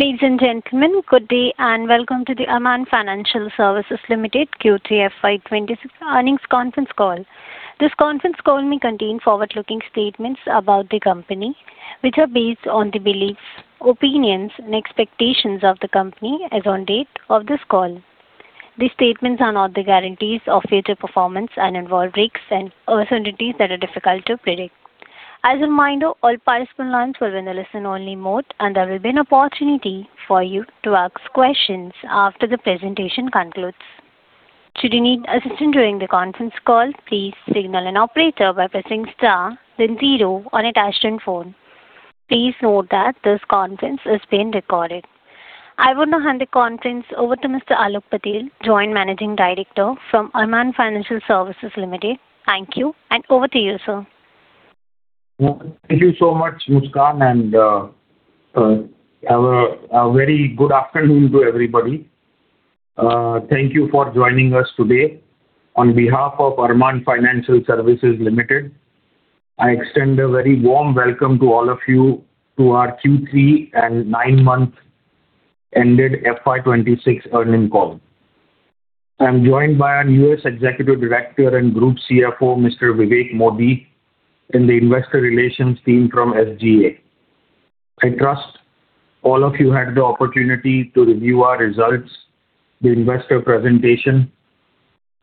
Ladies and gentlemen, good day, and welcome to the Arman Financial Services Limited Q3 FY 2026 earnings conference call. This conference call may contain forward-looking statements about the company, which are based on the beliefs, opinions and expectations of the company as on date of this call. These statements are not the guarantees of future performance and involve risks and uncertainties that are difficult to predict. As a reminder, all participant lines will be in a listen-only mode, and there will be an opportunity for you to ask questions after the presentation concludes. Should you need assistance during the conference call, please signal an operator by pressing star then zero on a touch-tone phone. Please note that this conference is being recorded. I want to hand the conference over to Mr. Aalok Patel, Joint Managing Director from Arman Financial Services Limited. Thank you, and over to you, sir. Thank you so much, Muskan, and have a very good afternoon to everybody. Thank you for joining us today. On behalf of Arman Financial Services Limited, I extend a very warm welcome to all of you to our Q3 and nine-month ended FY 2026 earnings call. I'm joined by our newest Executive Director and Group CFO, Mr. Vivek Modi, and the investor relations team from SGA. I trust all of you had the opportunity to review our results, the investor presentation,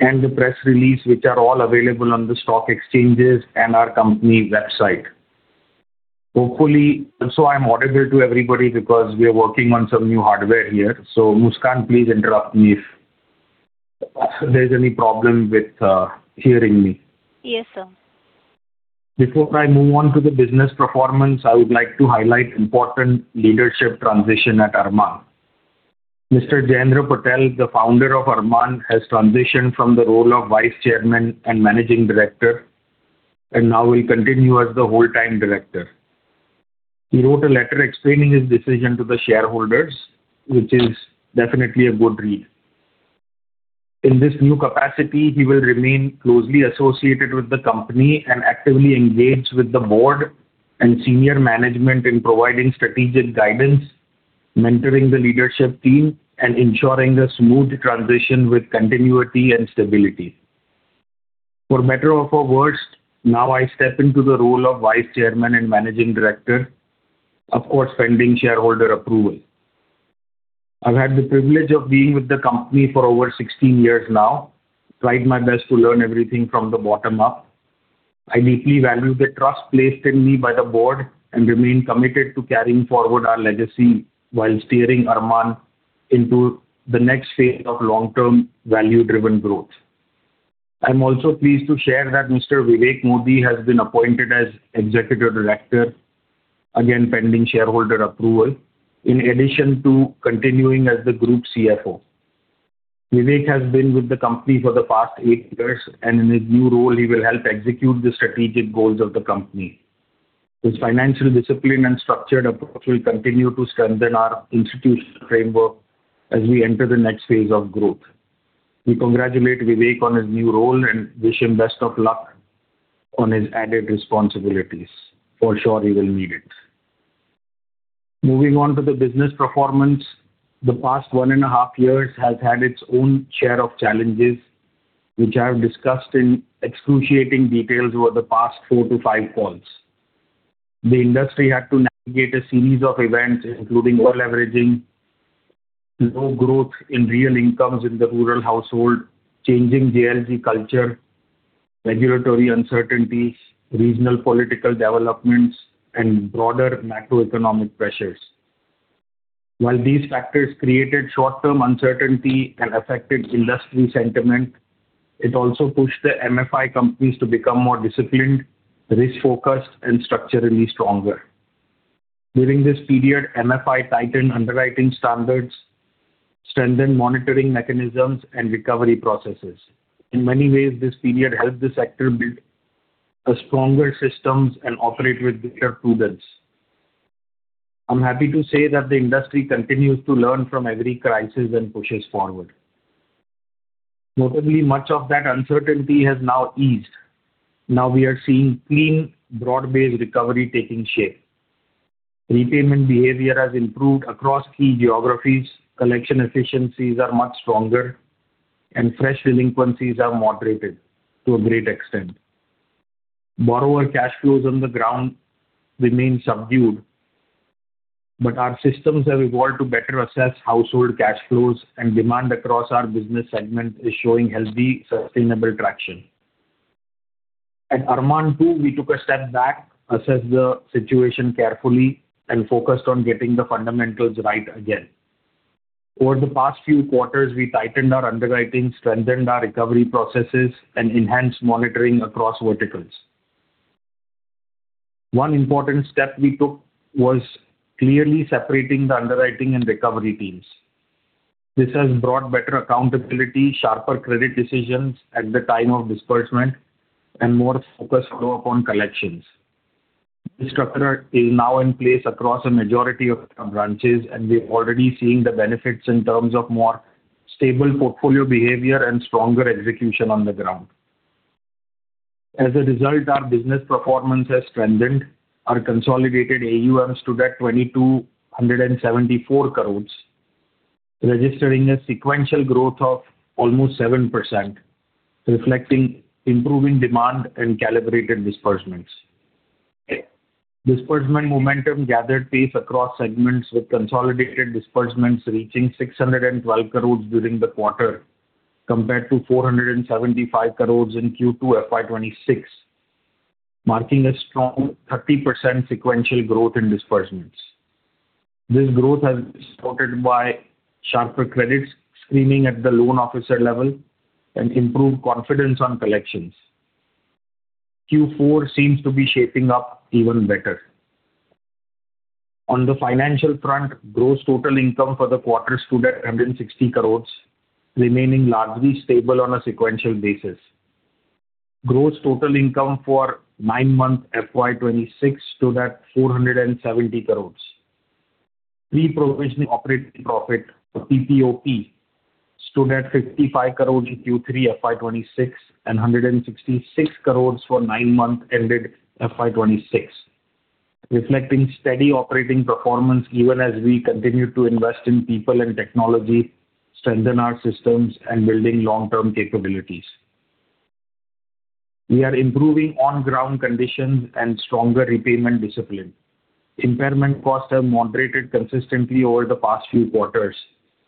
and the press release, which are all available on the stock exchanges and our company website. Hopefully, also I'm audible to everybody because we are working on some new hardware here. Muskan, please interrupt me if there's any problem with hearing me. Yes, sir. Before I move on to the business performance, I would like to highlight important leadership transition at Arman. Mr. Jayendra Patel, the founder of Arman, has transitioned from the role of Vice Chairman and Managing Director, and now will continue as the Whole Time Director. He wrote a letter explaining his decision to the shareholders, which is definitely a good read. In this new capacity, he will remain closely associated with the company and actively engage with the board and senior management in providing strategic guidance, mentoring the leadership team, and ensuring a smooth transition with continuity and stability. For better or for worse, now I step into the role of Vice Chairman and Managing Director, of course, pending shareholder approval. I've had the privilege of being with the company for over 16 years now. I tried my best to learn everything from the bottom up. I deeply value the trust placed in me by the board and remain committed to carrying forward our legacy while steering Arman into the next phase of long-term, value-driven growth. I'm also pleased to share that Mr. Vivek Modi has been appointed as Executive Director, again, pending shareholder approval, in addition to continuing as the Group CFO. Vivek has been with the company for the past eight years, and in his new role, he will help execute the strategic goals of the company. His financial discipline and structured approach will continue to strengthen our institutional framework as we enter the next phase of growth. We congratulate Vivek on his new role and wish him best of luck on his added responsibilities. For sure, he will need it. Moving on to the business performance, the past one and a half years has had its own share of challenges, which I have discussed in excruciating details over the past 4-5 calls. The industry had to navigate a series of events, including over-leveraging, low growth in real incomes in the rural household, changing JLG culture, regulatory uncertainties, regional political developments, and broader macroeconomic pressures. While these factors created short-term uncertainty and affected industry sentiment, it also pushed the MFI companies to become more disciplined, risk-focused, and structurally stronger. During this period, MFI tightened underwriting standards, strengthened monitoring mechanisms and recovery processes. In many ways, this period helped the sector build a stronger systems and operate with greater prudence. I'm happy to say that the industry continues to learn from every crisis and pushes forward. Notably, much of that uncertainty has now eased. Now we are seeing clean, broad-based recovery taking shape. Repayment behavior has improved across key geographies, collection efficiencies are much stronger, and fresh delinquencies are moderated to a great extent. Borrower cash flows on the ground remain subdued, but our systems have evolved to better assess household cash flows, and demand across our business segment is showing healthy, sustainable traction. At Arman, too, we took a step back, assessed the situation carefully, and focused on getting the fundamentals right again. Over the past few quarters, we tightened our underwriting, strengthened our recovery processes, and enhanced monitoring across verticals. One important step we took was clearly separating the underwriting and recovery teams. This has brought better accountability, sharper credit decisions at the time of disbursement, and more focused flow upon collections. This structure is now in place across a majority of our branches, and we're already seeing the benefits in terms of more stable portfolio behavior and stronger execution on the ground. As a result, our business performance has strengthened. Our consolidated AUMs stood at 2,274 crore, registering a sequential growth of almost 7%, reflecting improving demand and calibrated disbursements. Disbursement momentum gathered pace across segments, with consolidated disbursements reaching 612 crore during the quarter, compared to 475 crore in Q2 FY 2026, marking a strong 30% sequential growth in disbursements. This growth has been supported by sharper credit screening at the loan officer level and improved confidence on collections. Q4 seems to be shaping up even better. On the financial front, gross total income for the quarter stood at 160 crore, remaining largely stable on a sequential basis. Gross total income for nine months, FY 2026, stood at INR 470 crore. Pre-provision operating profit, or PPOP, stood at 55 crore in Q3 FY 2026 and 166 crore for nine months ended FY 2026, reflecting steady operating performance even as we continue to invest in people and technology, strengthen our systems, and building long-term capabilities. We are improving on-ground conditions and stronger repayment discipline. Impairment costs have moderated consistently over the past few quarters,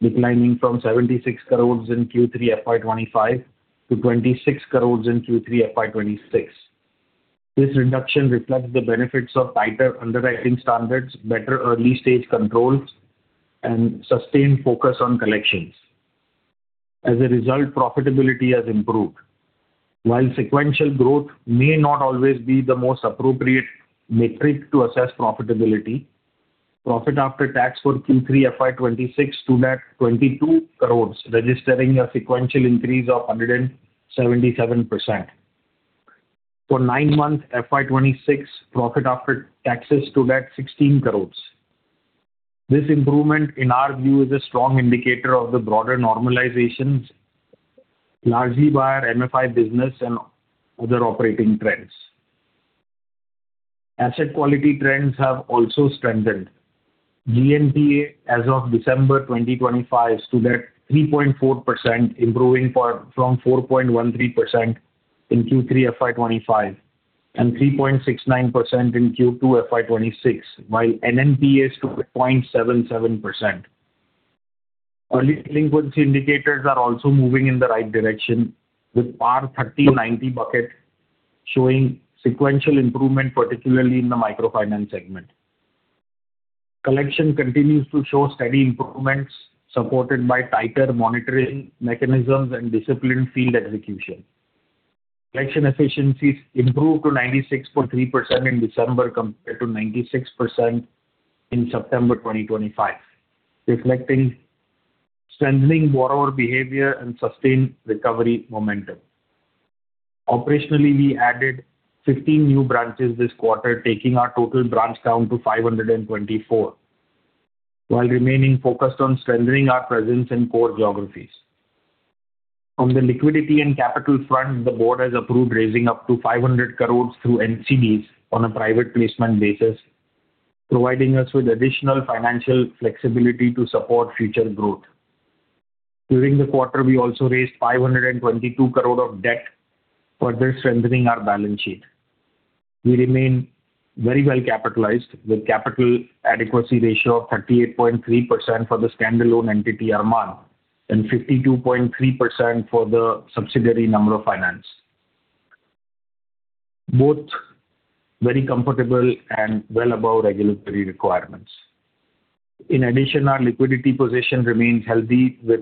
declining from 76 crore in Q3 FY 2025 to 26 crore in Q3 FY 2026. This reduction reflects the benefits of tighter underwriting standards, better early-stage controls, and sustained focus on collections. As a result, profitability has improved. While sequential growth may not always be the most appropriate metric to assess profitability, profit after tax for Q3 FY26 stood at 22 crore, registering a sequential increase of 177%. For nine months, FY 2026, profit after tax stood at 16 crore. This improvement, in our view, is a strong indicator of the broader normalizations, largely by our MFI business and other operating trends. Asset quality trends have also strengthened. GNPA as of December 2025 stood at 3.4%, improving from 4.13% in Q3 FY 2025, and 3.69% in Q2 FY 2026, while NNPA stood at 0.77%. Early delinquency indicators are also moving in the right direction, with PAR 30/90 bucket showing sequential improvement, particularly in the microfinance segment. Collection continues to show steady improvements, supported by tighter monitoring mechanisms and disciplined field execution. Collection efficiencies improved to 96.3% in December, compared to 96% in September 2025, reflecting strengthening borrower behavior and sustained recovery momentum. Operationally, we added 15 new branches this quarter, taking our total branches up to 524, while remaining focused on strengthening our presence in core geographies. On the liquidity and capital front, the board has approved raising up to 500 crore through NCDs on a private placement basis, providing us with additional financial flexibility to support future growth. During the quarter, we also raised 522 crore of debt, further strengthening our balance sheet. We remain very well capitalized, with capital adequacy ratio of 38.3% for the standalone entity, Arman, and 52.3% for the subsidiary, Namra Finance. Both very comfortable and well above regulatory requirements. In addition, our liquidity position remains healthy, with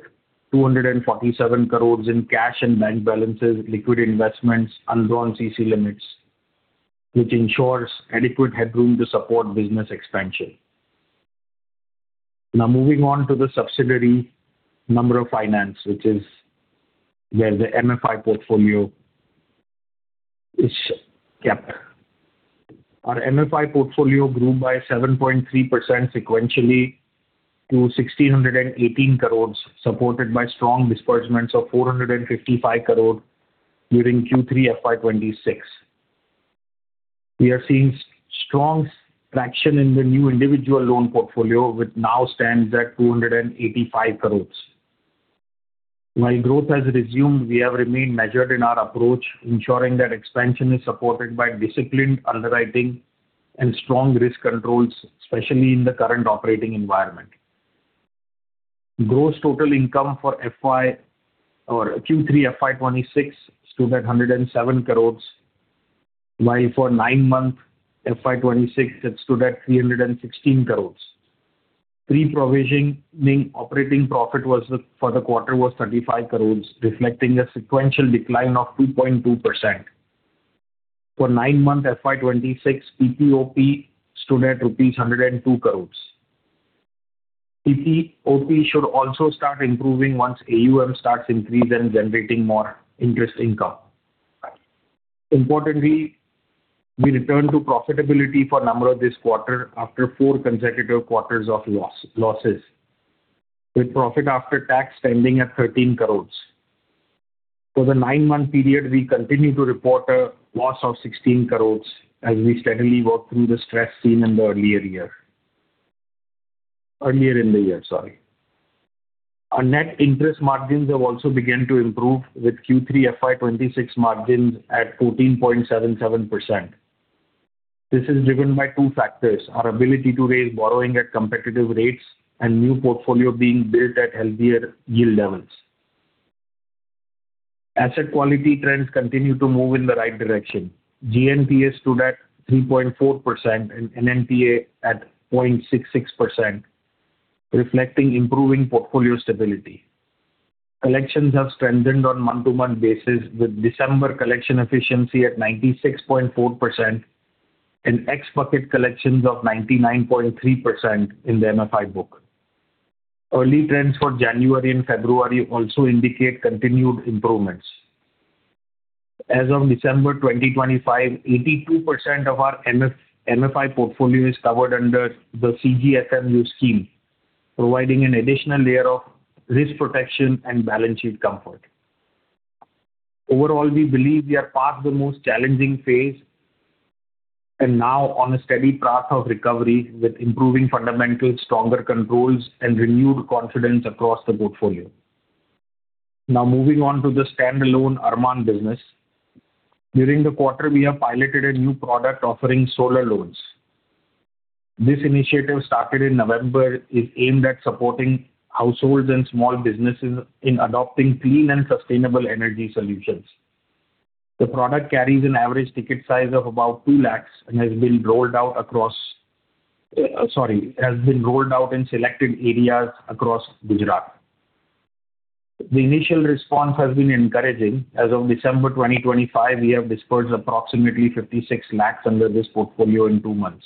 247 crore in cash and bank balances, liquid investments, undrawn CC limits, which ensures adequate headroom to support business expansion. Now, moving on to the subsidiary, Namra Finance, which is where the MFI portfolio is kept. Our MFI portfolio grew by 7.3% sequentially to 1,618 crore, supported by strong disbursements of 455 crore during Q3 FY 2026. We are seeing strong traction in the new individual loan portfolio, which now stands at 285 crore. While growth has resumed, we have remained measured in our approach, ensuring that expansion is supported by disciplined underwriting and strong risk controls, especially in the current operating environment. Gross total income for FY... or Q3 FY 2026 stood at 107 crores, while for nine months FY 2026, it stood at 316 crores. Pre-provisioning operating profit was, for the quarter, was 35 crores, reflecting a sequential decline of 2.2%. For nine months FY 2026, PPOP stood at INR 102 crores. PPOP should also start improving once AUM starts to increase and generating more interest income. Importantly, we returned to profitability for Namra this quarter after four consecutive quarters of losses with profit after tax standing at 13 crores. For the nine-month period, we continue to report a loss of 16 crores as we steadily work through the stress seen in the earlier year. Earlier in the year, sorry. Our net interest margins have also begun to improve with Q3 FY 2026 margins at 14.77%. This is driven by two factors: our ability to raise borrowing at competitive rates and new portfolio being built at healthier yield levels. Asset quality trends continue to move in the right direction. GNPA stood at 3.4% and NNPA at 0.66%, reflecting improving portfolio stability. Collections have strengthened on month-to-month basis, with December collection efficiency at 96.4% and ex-bucket collections of 99.3% in the MFI book. Early trends for January and February also indicate continued improvements. As of December 2025, 82% of our MFI portfolio is covered under the CGTMSE scheme, providing an additional layer of risk protection and balance sheet comfort. Overall, we believe we are past the most challenging phase and now on a steady path of recovery, with improving fundamentals, stronger controls and renewed confidence across the portfolio. Now moving on to the standalone Arman business. During the quarter, we have piloted a new product offering solar loans. This initiative, started in November, is aimed at supporting households and small businesses in adopting clean and sustainable energy solutions. The product carries an average ticket size of about 2 lakh and has been rolled out in selected areas across Gujarat. The initial response has been encouraging. As of December 2025, we have disbursed approximately 56 lakh under this portfolio in two months.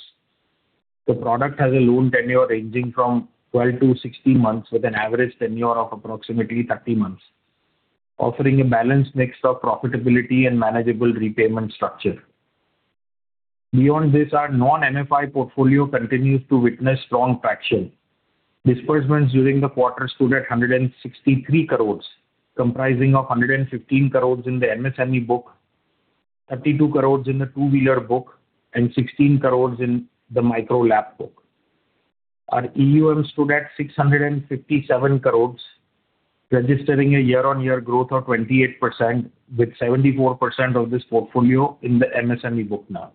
The product has a loan tenure ranging from 12-16 months, with an average tenure of approximately 30 months, offering a balanced mix of profitability and manageable repayment structure. Beyond this, our non-MFI portfolio continues to witness strong traction. Disbursement during the quarter stood at 163 crore, comprising of 115 crore in the MSME book, 32 crore in the two-wheeler book, and 16 crore in the micro LAP book. Our AUM stood at 657 crore, registering a year-on-year growth of 28%, with 74% of this portfolio in the MSME book now.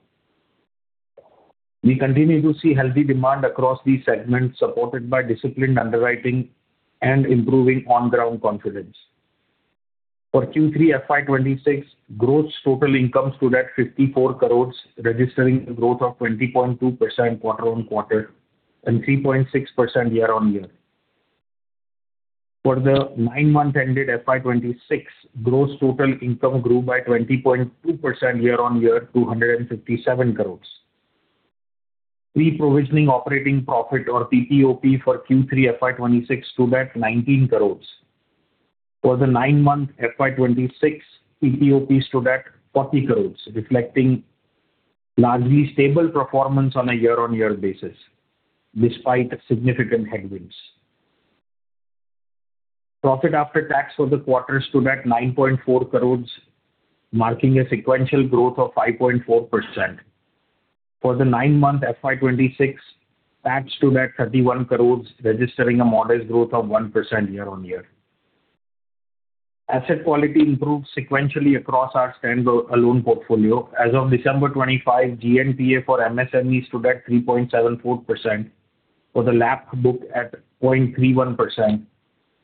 We continue to see healthy demand across these segments, supported by disciplined underwriting and improving on-the-ground confidence. For Q3 FY 2026, gross total income stood at 54 crore, registering a growth of 20.2% quarter-on-quarter and 3.6% year-on-year. For the nine months ended FY 2026, gross total income grew by 20.2% year-on-year to INR 157 crore. Pre-provisioning operating profit, or PPOP, for Q3 FY 2026 stood at 19 crore. For the nine-month FY 2026, PPOP stood at 40 crore, reflecting largely stable performance on a year-on-year basis, despite significant headwinds. Profit after tax for the quarter stood at 9.4 crore, marking a sequential growth of 5.4%. For the nine-month FY 2026, tax stood at 31 crore, registering a modest growth of 1% year-on-year. Asset quality improved sequentially across our stand-alone portfolio. As of December 2025, GNPA for MSMEs stood at 3.74%, for the LAP book at 0.31%,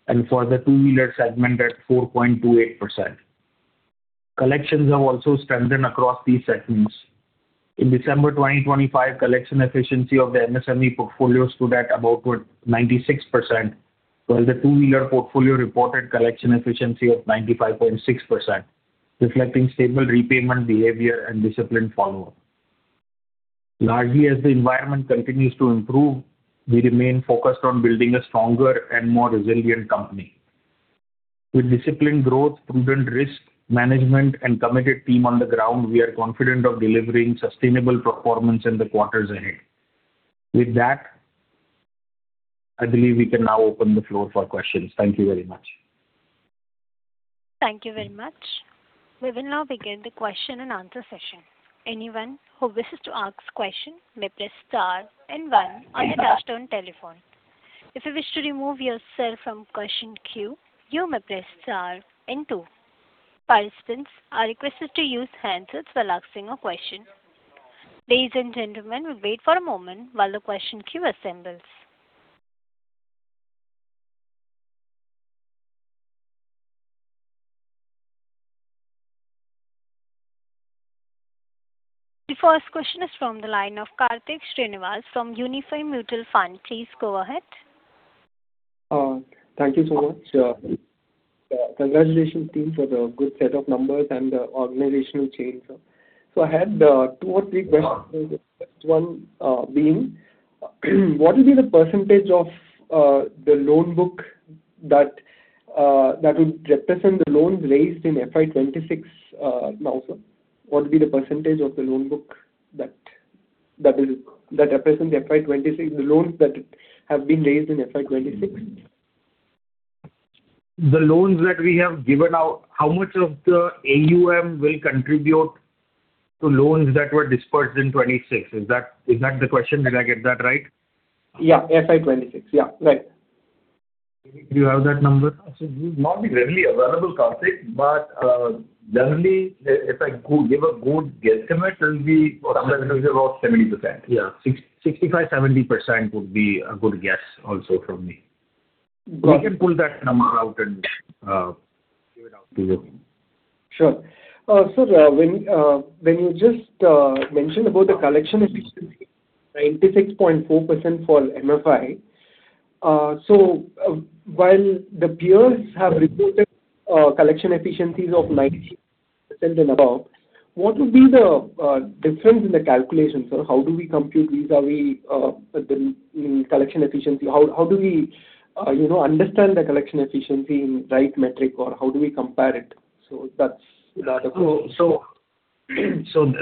and for the two-wheeler segment at 4.28%. Collections have also strengthened across these segments. In December 2025, collection efficiency of the MSME portfolio stood at about 96%, while the two-wheeler portfolio reported collection efficiency of 95.6%, reflecting stable repayment behavior and disciplined follow-up. Lastly, as the environment continues to improve, we remain focused on building a stronger and more resilient company. With disciplined growth, prudent risk management, and committed team on the ground, we are confident of delivering sustainable performance in the quarters ahead. With that, I believe we can now open the floor for questions. Thank you very much. Thank you very much. We will now begin the question and answer session. Anyone who wishes to ask question may press star and one on your touchtone telephone. If you wish to remove yourself from question queue, you may press star and two. Participants are requested to use handsets while asking a question. Ladies and gentlemen, we'll wait for a moment while the question queue assembles. The first question is from the line of Kartik Srinivas from Unifi Mutual Fund. Please go ahead. Thank you so much. Congratulations, team, for the good set of numbers and the organizational change. So I had two or three questions. One being, what will be the percentage of the loan book that that would represent the loans raised in FY 2026 now, sir? What will be the percentage of the loan book that... that is, that represent the FY 2026, the loans that have been raised in FY 2026? The loans that we have given out, how much of the AUM will contribute to loans that were disbursed in 2026? Is that, is that the question? Did I get that right? Yeah. FY 2026. Yeah, right. Do you have that number? It would not be readily available, Kartik, but, generally, if I give a good guesstimate, it will be somewhere between about 70%. Yeah. 65%-70% would be a good guess also from me. We can pull that number out and give it out to you. Sure. So, when you just mentioned about the collection efficiency, 96.4% for MFI. So, while the peers have reported collection efficiencies of 90% and above, what would be the difference in the calculation, sir? How do we compute vis-à-vis the collection efficiency? How, how do we, you know, understand the collection efficiency in right metric, or how do we compare it? So that's the other question. So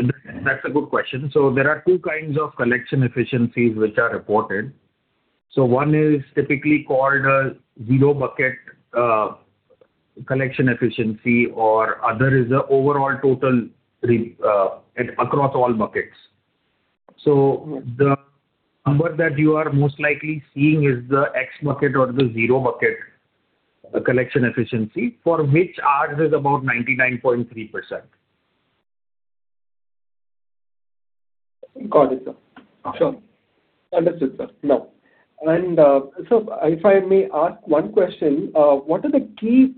that's a good question. So there are two kinds of collection efficiencies which are reported. So one is typically called a zero bucket collection efficiency, or other is the overall total across all buckets. So the number that you are most likely seeing is the X-Bucket or the zero bucket collection efficiency, for which ours is about 99.3%. Got it, sir. Sure. Understood, sir. Now, and, so if I may ask one question, what are the key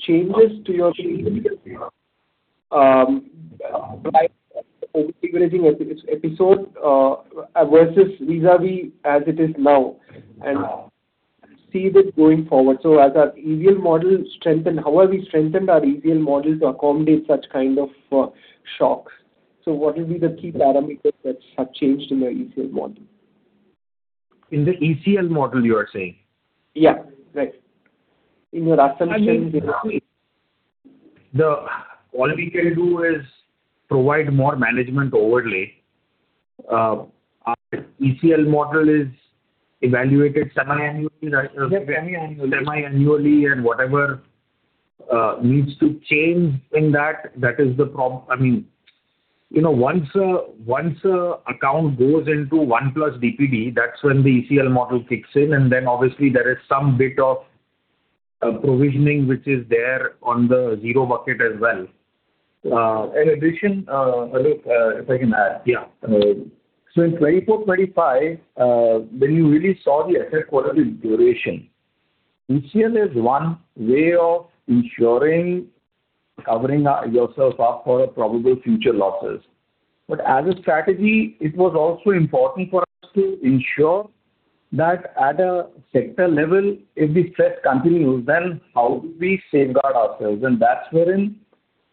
changes to your like over-leveraging episode, versus vis-à-vis as it is now, and see this going forward? So as our ECL model strengthen, how have we strengthened our ECL model to accommodate such kind of shocks? So what will be the key parameters that have changed in your ECL model? In the ECL model, you are saying? Yeah. Right. In your assumption- I mean, the... all we can do is provide more management overlay. Our ECL model is evaluated semiannually, right? Yeah, semiannually. Semiannually, and whatever needs to change in that, that is the—I mean, you know, once a, once a account goes into 1+ DPD, that's when the ECL model kicks in, and then obviously there is some bit of provisioning which is there on the zero bucket as well. In addition, Aalok, if I can add? Yeah. So in 2024, 2025, when you really saw the asset quality deterioration, ECL is one way of ensuring covering yourself up for probable future losses. But as a strategy, it was also important for us to ensure that at a sector level, if the stress continues, then how do we safeguard ourselves? And that's wherein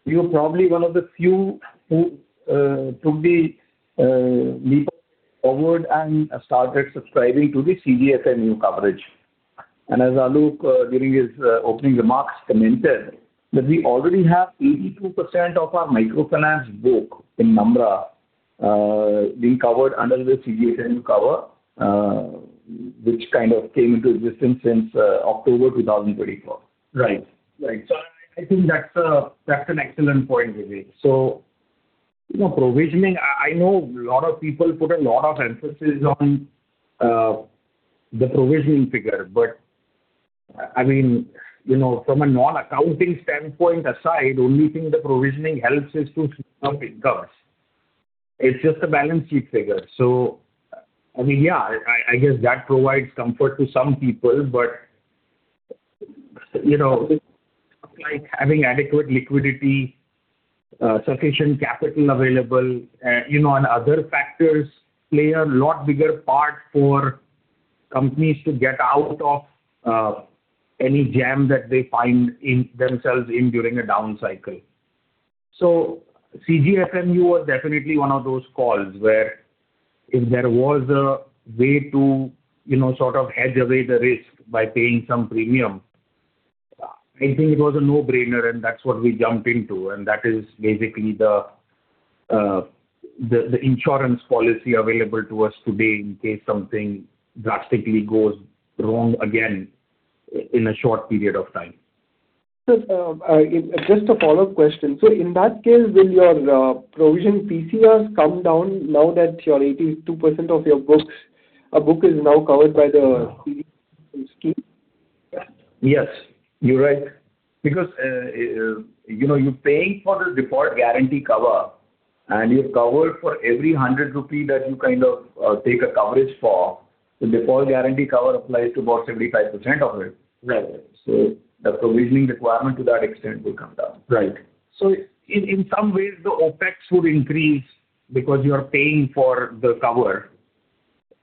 you're probably one of the few who took the leap forward and started subscribing to the CGFMU coverage. As Aalok, during his opening remarks, commented, that we already have 82% of our microfinance book in Namra being covered under the CGFMU cover, which kind of came into existence since October 2024. Right. Right. So I think that's an excellent point, Vivek. So, you know, provisioning, I know a lot of people put a lot of emphasis on the provisioning figure, but, I mean, you know, from a non-accounting standpoint aside, only thing the provisioning helps is to covers. It's just a balance sheet figure. So, I mean, yeah, I guess that provides comfort to some people. But, you know, like having adequate liquidity, sufficient capital available, you know, and other factors play a lot bigger part for companies to get out of, any jam that they find in themselves in during a down cycle. So CGFMU was definitely one of those calls, where if there was a way to, you know, sort of hedge away the risk by paying some premium, I think it was a no-brainer, and that's what we jumped into, and that is basically the, the, the insurance policy available to us today in case something drastically goes wrong again in a short period of time. Just a follow-up question. In that case, will your provision PCRs come down now that your 82% of your book is now covered by the scheme? Yes, you're right. Because, you know, you're paying for the default guarantee cover, and you're covered for every 100 rupee that you kind of take a coverage for, the default guarantee cover applies to about 75% of it. Right. So the provisioning requirement to that extent will come down. Right. So in some ways, the OpEx would increase because you are paying for the cover,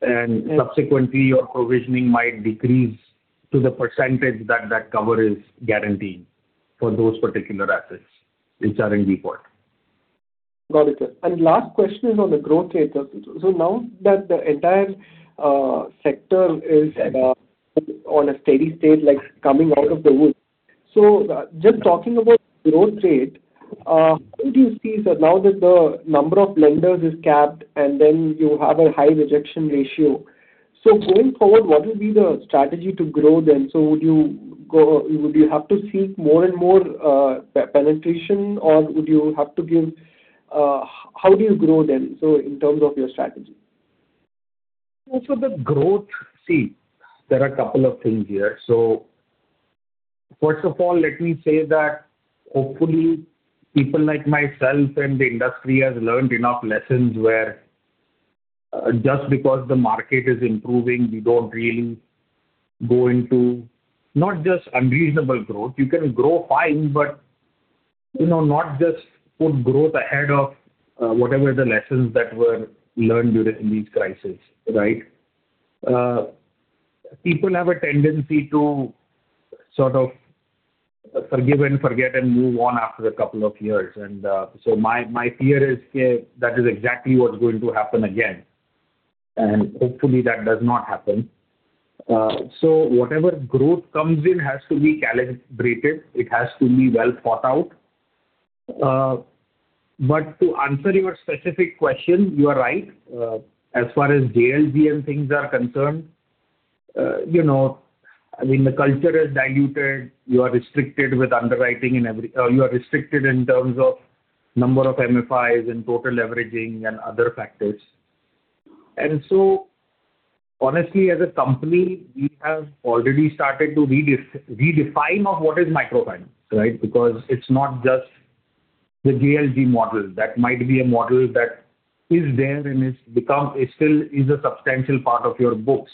and subsequently, your provisioning might decrease to the percentage that that cover is guaranteed for those particular assets which are in default. Got it, sir. And last question is on the growth rate. So now that the entire sector is on a steady state, like coming out of the woods. So, just talking about growth rate, how do you see that now that the number of lenders is capped, and then you have a high rejection ratio. So going forward, what will be the strategy to grow then? So would you go, would you have to seek more and more penetration, or would you have to give, how do you grow then, so in terms of your strategy? Also the growth. See, there are a couple of things here. So first of all, let me say that hopefully people like myself and the industry has learned enough lessons where, just because the market is improving, we don't really go into not just unreasonable growth. You can grow fine, but, you know, not just put growth ahead of, whatever the lessons that were learned during this crisis, right? People have a tendency to sort of forgive and forget and move on after a couple of years, and, so my, my fear is, that is exactly what's going to happen again, and hopefully that does not happen. So whatever growth comes in has to be calibrated. It has to be well thought out. But to answer your specific question, you are right. As far as JLG and things are concerned, you know, I mean, the culture is diluted. You are restricted with underwriting in every... You are restricted in terms of number of MFIs and total leveraging and other factors. And so honestly, as a company, we have already started to redefine of what is microfinance, right? Because it's not just the JLG model. That might be a model that is there and it's become, it still is a substantial part of your books.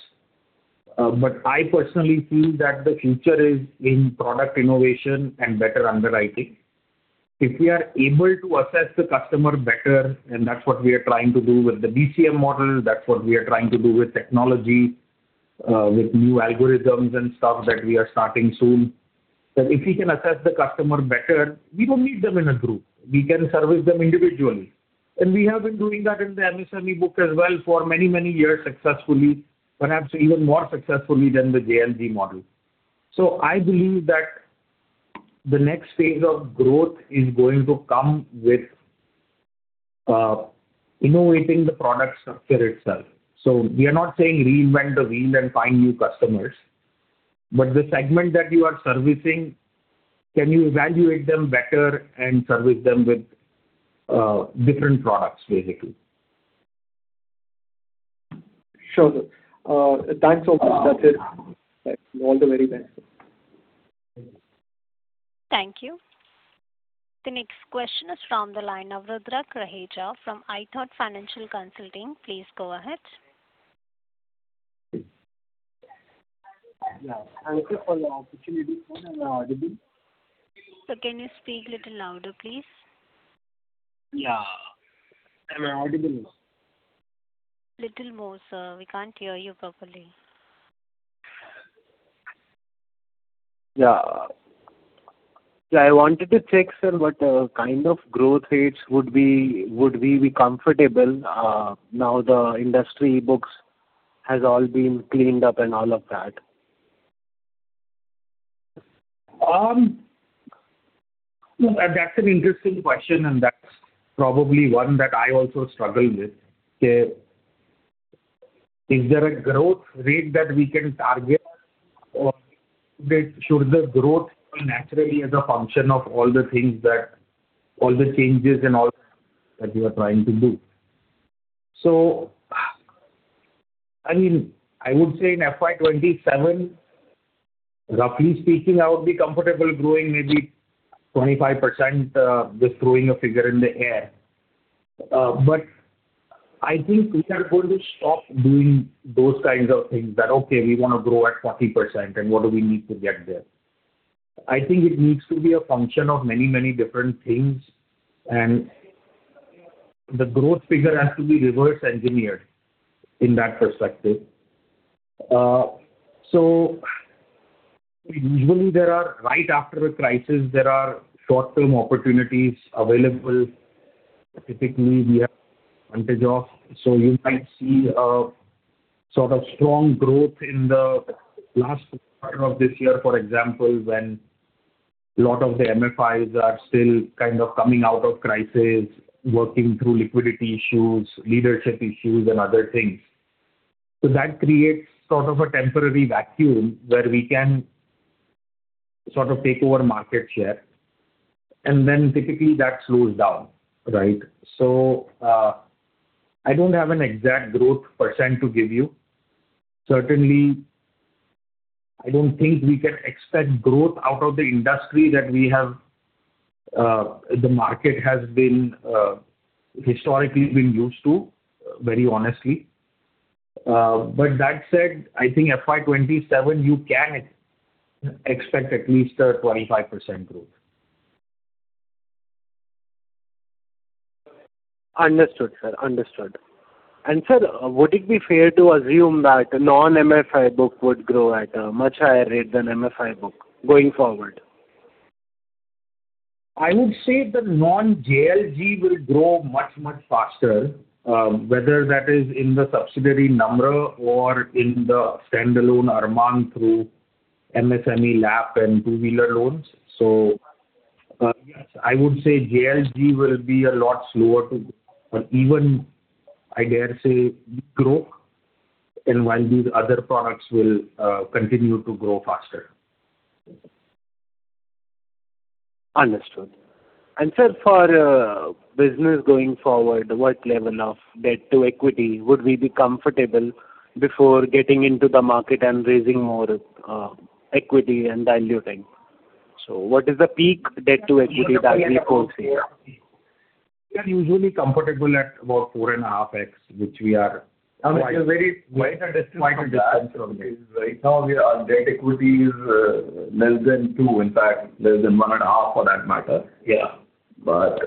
But I personally feel that the future is in product innovation and better underwriting. If we are able to assess the customer better, and that's what we are trying to do with the BCM model, that's what we are trying to do with technology, with new algorithms and stuff that we are starting soon. That if we can assess the customer better, we don't need them in a group. We can service them individually. And we have been doing that in the MSME book as well for many, many years successfully, perhaps even more successfully than the JLG model. So I believe that the next phase of growth is going to come with innovating the product structure itself. So we are not saying reinvent the wheel and find new customers, but the segment that you are servicing, can you evaluate them better and service them with different products, basically? Sure, sir. Thanks a lot. That's it. All the very best. Thank you. The next question is from the line of Rudra Raheja from ithought Financial Consulting. Please go ahead. Yeah. Thank you for the opportunity. Am I audible? Sir, can you speak a little louder, please? Yeah. Am I audible now? Little more, sir. We can't hear you properly. Yeah. Yeah, I wanted to check, sir, what kind of growth rates would be, would we be comfortable, now the industry books has all been cleaned up and all of that? That's an interesting question, and that's probably one that I also struggle with. Key, is there a growth rate that we can target, or should the growth come naturally as a function of all the things that... all the changes and all that we are trying to do? So, I mean, I would say in FY 2027, roughly speaking, I would be comfortable growing maybe 25%, just throwing a figure in the air. But I think we are going to stop doing those kinds of things that, "Okay, we want to grow at 40%, and what do we need to get there?" I think it needs to be a function of many, many different things, and the growth figure has to be reverse engineered in that perspective. So usually there are, right after a crisis, there are short-term opportunities available. Typically, we have advantage of, so you might see a sort of strong growth in the last quarter of this year, for example, when a lot of the MFIs are still kind of coming out of crisis, working through liquidity issues, leadership issues, and other things. So that creates sort of a temporary vacuum where we can sort of take over market share, and then typically that slows down, right? So, I don't have an exact growth percent to give you. Certainly, I don't think we can expect growth out of the industry that we have, the market has been, historically been used to, very honestly. But that said, I think FY 2027, you can expect at least a 25% growth. Understood, sir. Understood. And, sir, would it be fair to assume that non-MFI book would grow at a much higher rate than MFI book going forward?... I would say that non-JLG will grow much, much faster, whether that is in the subsidiary Namra or in the standalone Arman through MSME LAP and two-wheeler loans. So, yes, I would say JLG will be a lot slower to, or even, I dare say, grow, and while these other products will continue to grow faster. Understood. And, sir, for business going forward, what level of debt to equity would we be comfortable before getting into the market and raising more equity and diluting? So what is the peak debt to equity that we foresee? We are usually comfortable at about 4.5x, which we are—I mean, it's a very wide distance from that. Right now, our debt equity is less than 2, in fact, less than 1.5, for that matter. Yeah. But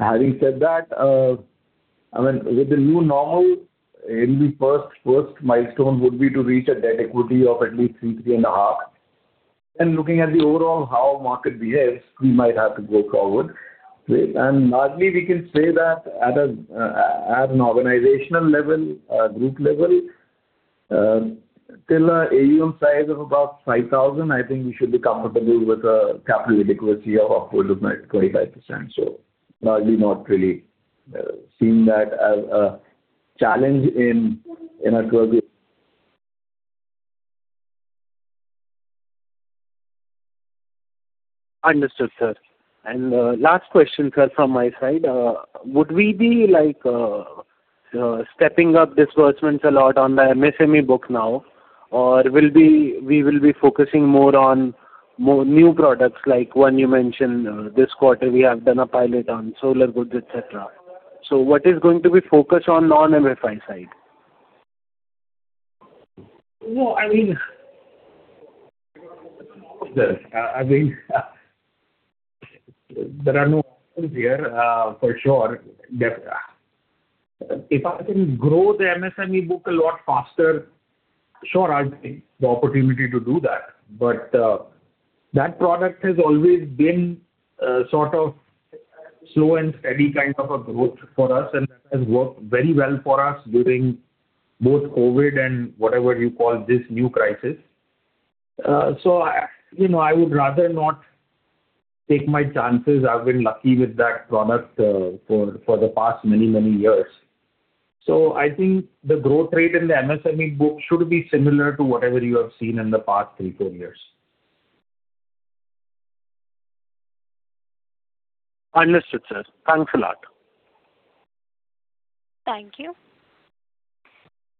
having said that, I mean, with the new normal, it'll be first, first milestone would be to reach a debt equity of at least 3-3.5. Then looking at the overall how market behaves, we might have to go forward. And largely, we can say that at an organizational level, group level, till an AUM size of about 5,000, I think we should be comfortable with a capital adequacy of upward of 25%. So largely not really seeing that as a challenge in our target. Understood, sir. And, last question, sir, from my side. Would we be like, stepping up disbursements a lot on the MSME book now? Or we will be focusing more on more new products, like one you mentioned, this quarter, we have done a pilot on solar goods, et cetera. So what is going to be focus on non-MFI side? No, I mean, there are no here for sure that if I can grow the MSME book a lot faster, sure, I'll take the opportunity to do that. But, that product has always been sort of slow and steady kind of a growth for us, and has worked very well for us during both COVID and whatever you call this new crisis. So, you know, I would rather not take my chances. I've been lucky with that product for the past many, many years. So I think the growth rate in the MSME book should be similar to whatever you have seen in the past three-four years. Understood, sir. Thanks a lot. Thank you.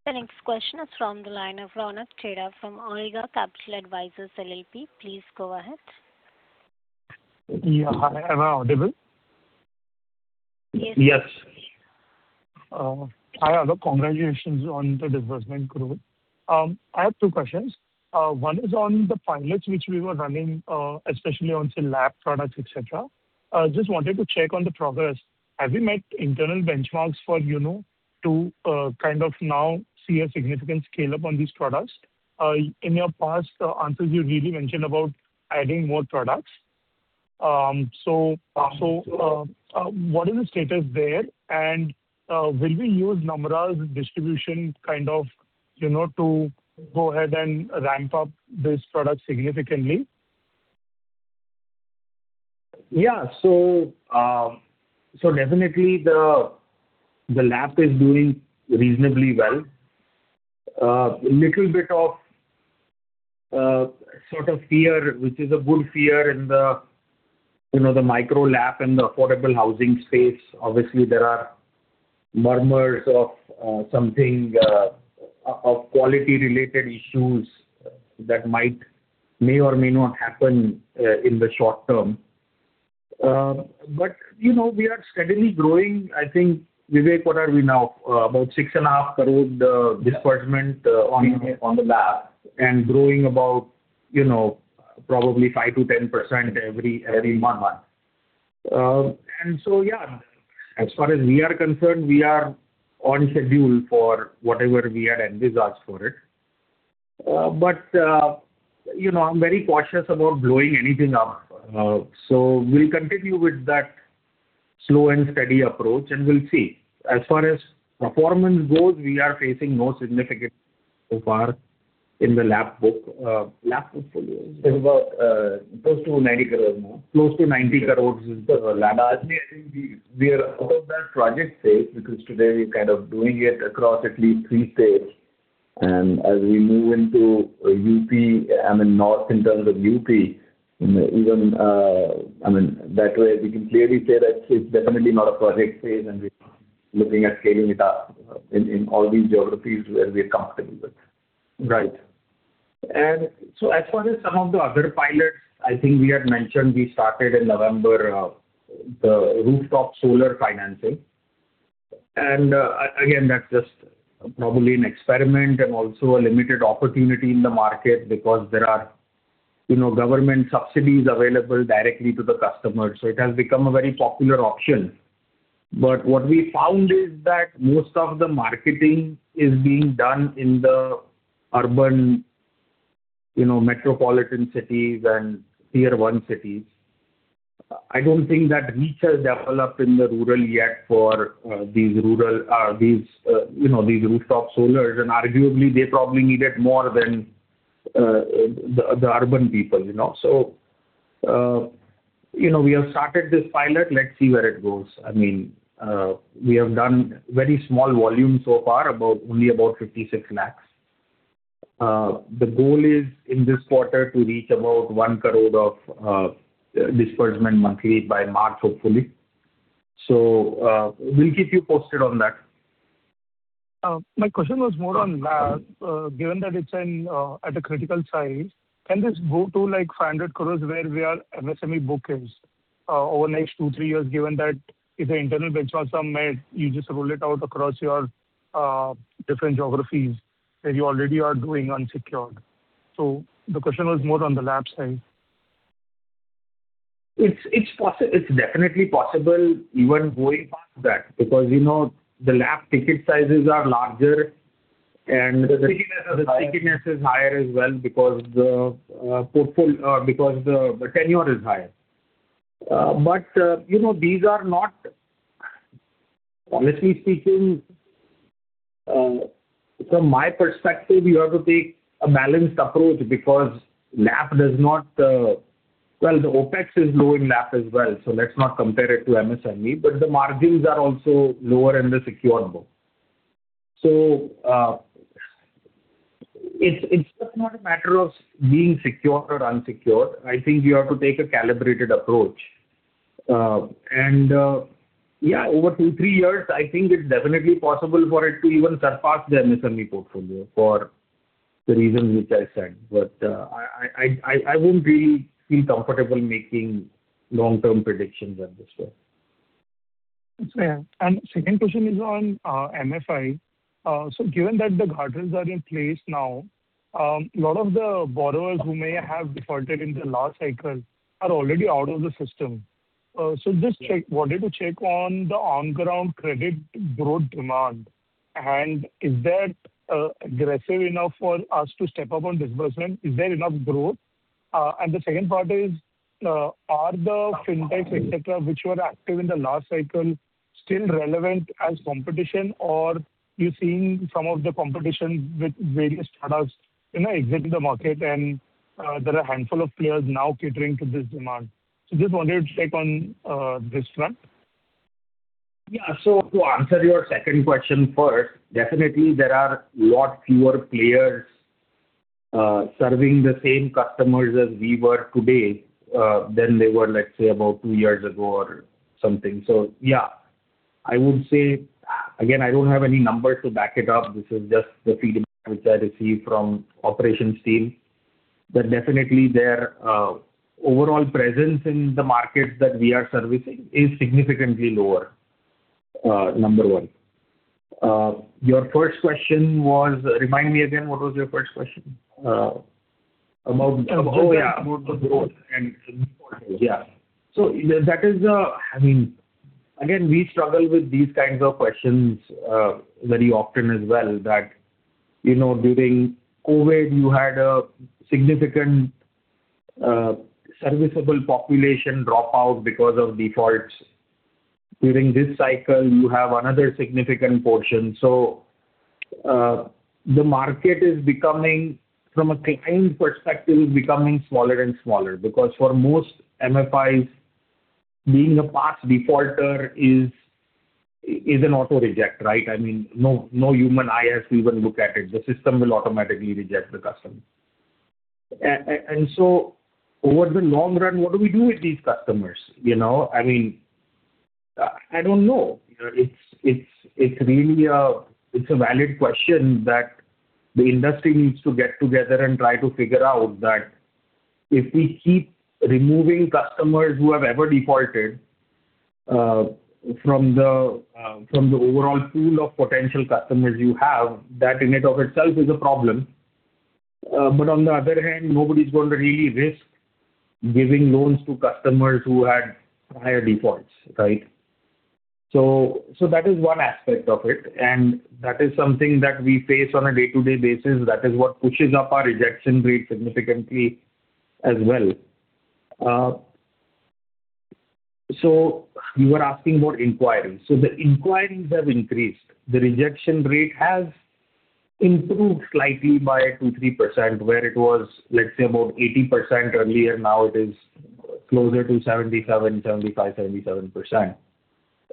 The next question is from the line of [Ronak Khera from Omega Capital Advisors LLP. Please go ahead. Yeah. Am I audible? Yes. Yes. Hi, hello. Congratulations on the disbursement growth. I have two questions. One is on the pilots which we were running, especially on some LAP products, et cetera. Just wanted to check on the progress. Have you met internal benchmarks for, you know, to, kind of now see a significant scale-up on these products? In your past answers, you really mentioned about adding more products. So, so, what is the status there? And, will we use Namra's distribution kind of, you know, to go ahead and ramp up this product significantly? Yeah. So, definitely the LAP is doing reasonably well. Little bit of sort of fear, which is a good fear in the, you know, the micro LAP and the affordable housing space. Obviously, there are murmurs of something of quality-related issues that might, may or may not happen in the short term. But, you know, we are steadily growing. I think, Vivek, what are we now? About 6.5 crore, the disbursement on the LAP, and growing about, you know, probably 5%-10% every month. And so, yeah, as far as we are concerned, we are on schedule for whatever we had envisaged for it. But, you know, I'm very cautious about blowing anything up. So we'll continue with that slow and steady approach, and we'll see. As far as performance goes, we are facing no significant so far in the LAP book. LAP portfolio. It's about, close to INR 90 crore now. Close to INR 90 crore is the LAP. Actually, I think we, we are out of that project phase, because today we're kind of doing it across at least three states. And as we move into UP, I mean, north in terms of UP, you know, even... I mean, that way, we can clearly say that it's definitely not a project phase, and we're looking at scaling it up in, in all these geographies where we are comfortable with. Right. And so as far as some of the other pilots, I think we had mentioned, we started in November, the rooftop solar financing. Again, that's just probably an experiment and also a limited opportunity in the market because there are, you know, government subsidies available directly to the customer, so it has become a very popular option. But what we found is that most of the marketing is being done in the urban... you know, metropolitan cities and tier one cities. I don't think that reach has developed in the rural yet for these rooftop solars, and arguably they probably need it more than the urban people, you know? So, you know, we have started this pilot, let's see where it goes. I mean, we have done very small volume so far, about only about 56 lakh. The goal is in this quarter to reach about 1 crore of disbursement monthly by March, hopefully. So, we'll keep you posted on that. My question was more on LAP, given that it's in at a critical size, can this go to, like, 500 crore, where our MSME book is over the next two to three years, given that if the internal benchmarks are met, you just roll it out across your different geographies, and you already are doing unsecured. The question was more on the LAP side. It's definitely possible even going past that, because, you know, the LAP ticket sizes are larger and- The stickiness is higher. The stickiness is higher as well because the tenure is higher. But you know, these are not, honestly speaking, from my perspective, you have to take a balanced approach because LAP does not. Well, the OpEx is low in LAP as well, so let's not compare it to MSME, but the margins are also lower in the secured book. So it's just not a matter of being secured or unsecured. I think you have to take a calibrated approach. And yeah, over two to three years, I think it's definitely possible for it to even surpass the MSME portfolio for the reasons which I said. But I won't really feel comfortable making long-term predictions on this one. Yeah. And second question is on MFI. So given that the guardrails are in place now, a lot of the borrowers who may have defaulted in the last cycle are already out of the system. So wanted to check on the on-ground credit growth demand, and is that aggressive enough for us to step up on disbursement? Is there enough growth? And the second part is, are the fintechs, et cetera, which were active in the last cycle, still relevant as competition, or you're seeing some of the competition with various startups, you know, exit the market and there are a handful of players now catering to this demand. So just wanted to check on this front. Yeah. So to answer your second question first, definitely there are a lot fewer players serving the same customers as we were today than they were, let's say, about two years ago or something. So yeah, I would say... Again, I don't have any numbers to back it up. This is just the feedback which I receive from operations team. But definitely their overall presence in the markets that we are servicing is significantly lower, number one. Your first question was, remind me again, what was your first question? About- About, yeah, about the growth and- Yeah. So that is, I mean, again, we struggle with these kinds of questions very often as well, that, you know, during COVID, you had a significant serviceable population drop out because of defaults. During this cycle, you have another significant portion. So the market is becoming, from a client perspective, becoming smaller and smaller because for most MFIs, being a past defaulter is an auto reject, right? I mean, no, no human eyes will even look at it. The system will automatically reject the customer. And so over the long run, what do we do with these customers? You know, I mean, I don't know. You know, it's really a valid question that the industry needs to get together and try to figure out that if we keep removing customers who have ever defaulted from the overall pool of potential customers you have, that in and of itself is a problem. But on the other hand, nobody's going to really risk giving loans to customers who had higher defaults, right? So that is one aspect of it, and that is something that we face on a day-to-day basis. That is what pushes up our rejection rate significantly as well. So you were asking about inquiries. So the inquiries have increased. The rejection rate has improved slightly by 2-3%, where it was, let's say, about 80% earlier, now it is closer to 77%, 75%,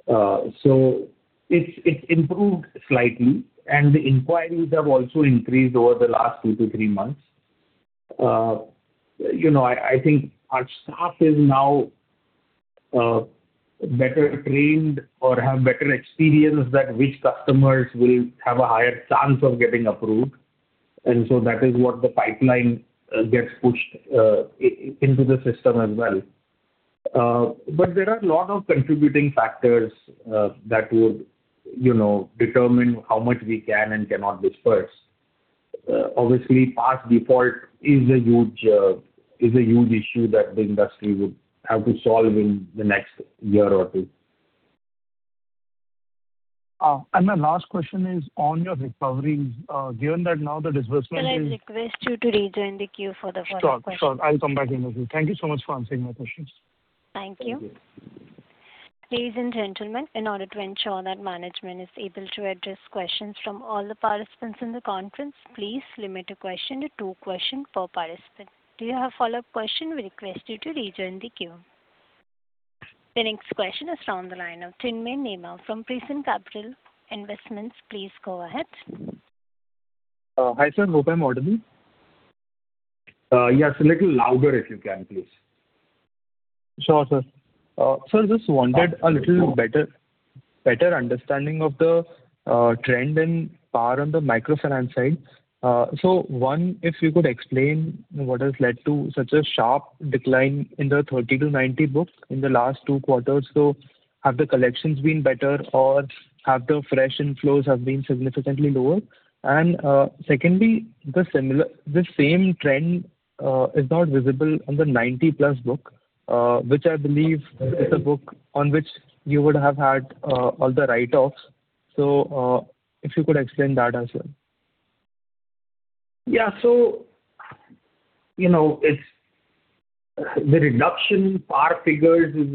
77%. So it's improved slightly, and the inquiries have also increased over the last two to three months. You know, I think our staff is now better trained or have better experience that which customers will have a higher chance of getting approved, and so that is what the pipeline gets pushed into the system as well. But there are a lot of contributing factors that would, you know, determine how much we can and cannot disperse. Obviously, past default is a huge issue that the industry would have to solve in the next year or 2.... and my last question is on your recovery. Given that now the disbursement is- Can I request you to rejoin the queue for the follow-up question? Sure, sure. I'll come back in the queue. Thank you so much for answering my questions. Thank you. Ladies and gentlemen, in order to ensure that management is able to address questions from all the participants in the conference, please limit a question to two question per participant. Do you have a follow-up question? We request you to rejoin the queue. The next question is from the line Chinmay Nema, from Prescient Capital Investments. Please go ahead. Hi, sir, hope I'm audible. Yes, a little louder if you can, please. Sure, sir. Sir, just wanted a little better understanding of the trend in PAR on the microfinance side. So, one, if you could explain what has led to such a sharp decline in the 30-90 book in the last 2 quarters. So have the collections been better, or have the fresh inflows have been significantly lower? And, secondly, the same trend is not visible on the 90+ book, which I believe is the book on which you would have had all the write-offs. So, if you could explain that as well. Yeah. So, you know, it's the reduction in PAR figures is,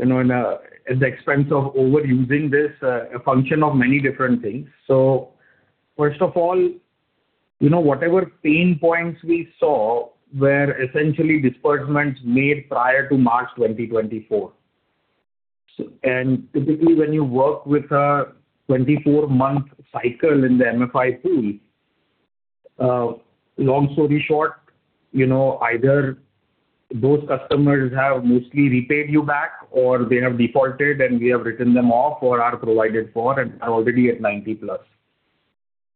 you know, at the expense of overusing this, a function of many different things. So first of all, you know, whatever pain points we saw were essentially disbursements made prior to March 2024. So and typically, when you work with a 24-month cycle in the MFI pool, long story short, you know, either those customers have mostly repaid you back, or they have defaulted, and we have written them off or are provided for and are already at 90+.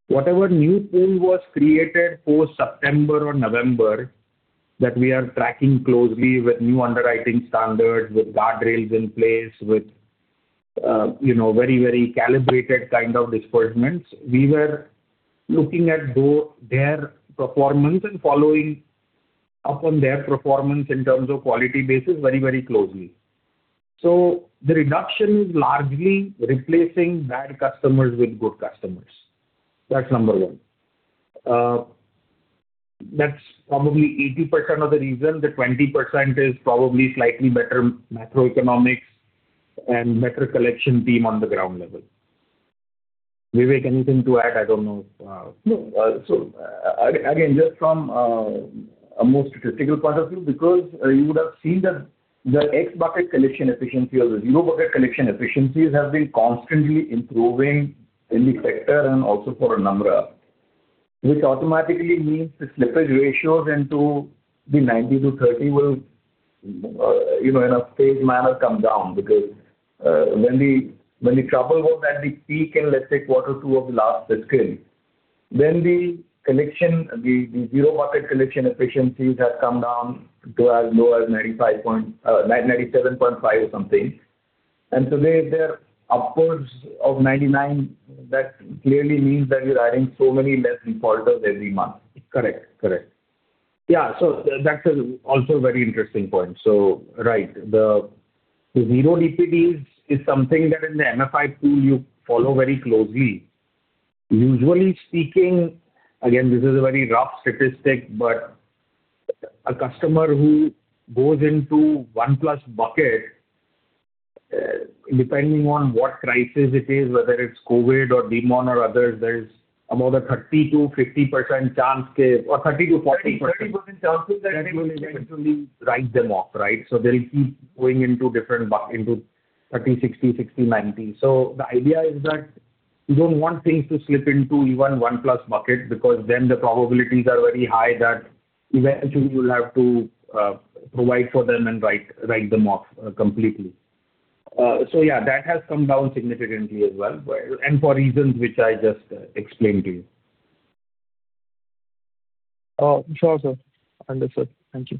Whatever new pool was created for September or November, that we are tracking closely with new underwriting standards, with guardrails in place, with, you know, very, very calibrated kind of disbursements. We were looking at their performance and following up on their performance in terms of quality basis, very, very closely. So the reduction is largely replacing bad customers with good customers. That's number one. That's probably 80% of the reason. The 20% is probably slightly better macroeconomics and better collection team on the ground level. Vivek, anything to add? I don't know if... No. So again, just from a more statistical point of view, because you would have seen that the X bucket collection efficiency or the zero bucket collection efficiencies have been constantly improving in the sector and also for Arman, which automatically means the slippage ratios into the 90 to 30 will, you know, in a phased manner, come down. Because, when the trouble was at the peak in, let's say, quarter two of the last fiscal, then the collection, the, the zero bucket collection efficiencies have come down to as low as 95.9, 97.5 or something. And today, they're upwards of 99%. That clearly means that you're adding so many less defaulters every month. Correct. Correct. Yeah. So that is also a very interesting point. So, right, the, the zero DPDs is something that in the MFI pool, you follow very closely. Usually speaking, again, this is a very rough statistic, but a customer who goes into 1+ bucket, depending on what crisis it is, whether it's COVID or demonetization or others, there is about a 30%-50% chance or 30%-40%—30, 30% chance that write them off, right? So they'll keep going into different buckets into 30%, 60%, 90%. So the idea is that you don't want things to slip into even one plus bucket, because then the probabilities are very high that eventually you'll have to provide for them and write them off completely. So yeah, that has come down significantly as well, well, and for reasons which I just explained to you. Sure, sir. Understood. Thank you.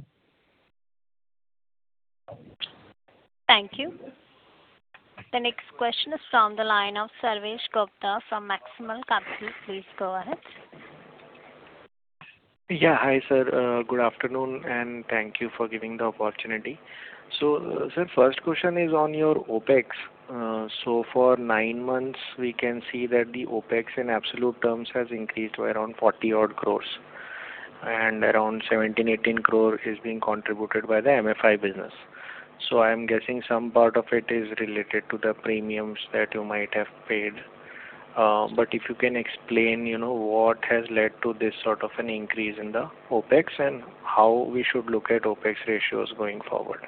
Thank you. The next question is from the line of Sarvesh Gupta from Maximal Capital. Please go ahead. Yeah. Hi, sir. Good afternoon, and thank you for giving the opportunity. So, sir, first question is on your OpEx. So for nine months, we can see that the OpEx in absolute terms has increased to around 40-odd crore, and around 17 crore-18 crore is being contributed by the MFI business. So I'm guessing some part of it is related to the premiums that you might have paid. But if you can explain, you know, what has led to this sort of an increase in the OpEx and how we should look at OpEx ratios going forward?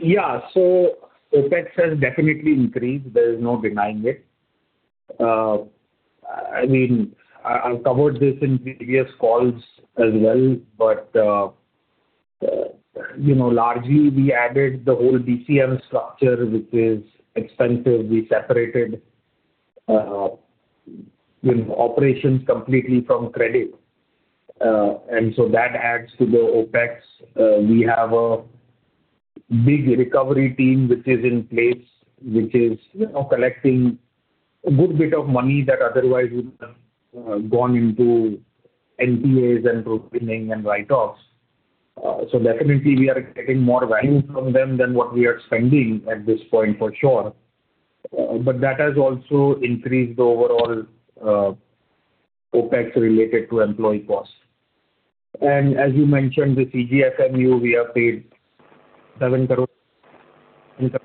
Yeah. So OpEx has definitely increased. There is no denying it. I mean, I've covered this in previous calls as well, but you know, largely we added the whole BCM structure, which is expensive. We separated you know, operations completely from credit and so that adds to the OpEx. We have a big recovery team which is in place, which is you know, collecting a good bit of money that otherwise would have gone into NPAs and provisioning and write-offs. So definitely we are getting more value from them than what we are spending at this point, for sure. But that has also increased the overall OpEx related to employee costs. And as you mentioned, the CGTMSE, we have paid INR 7 crore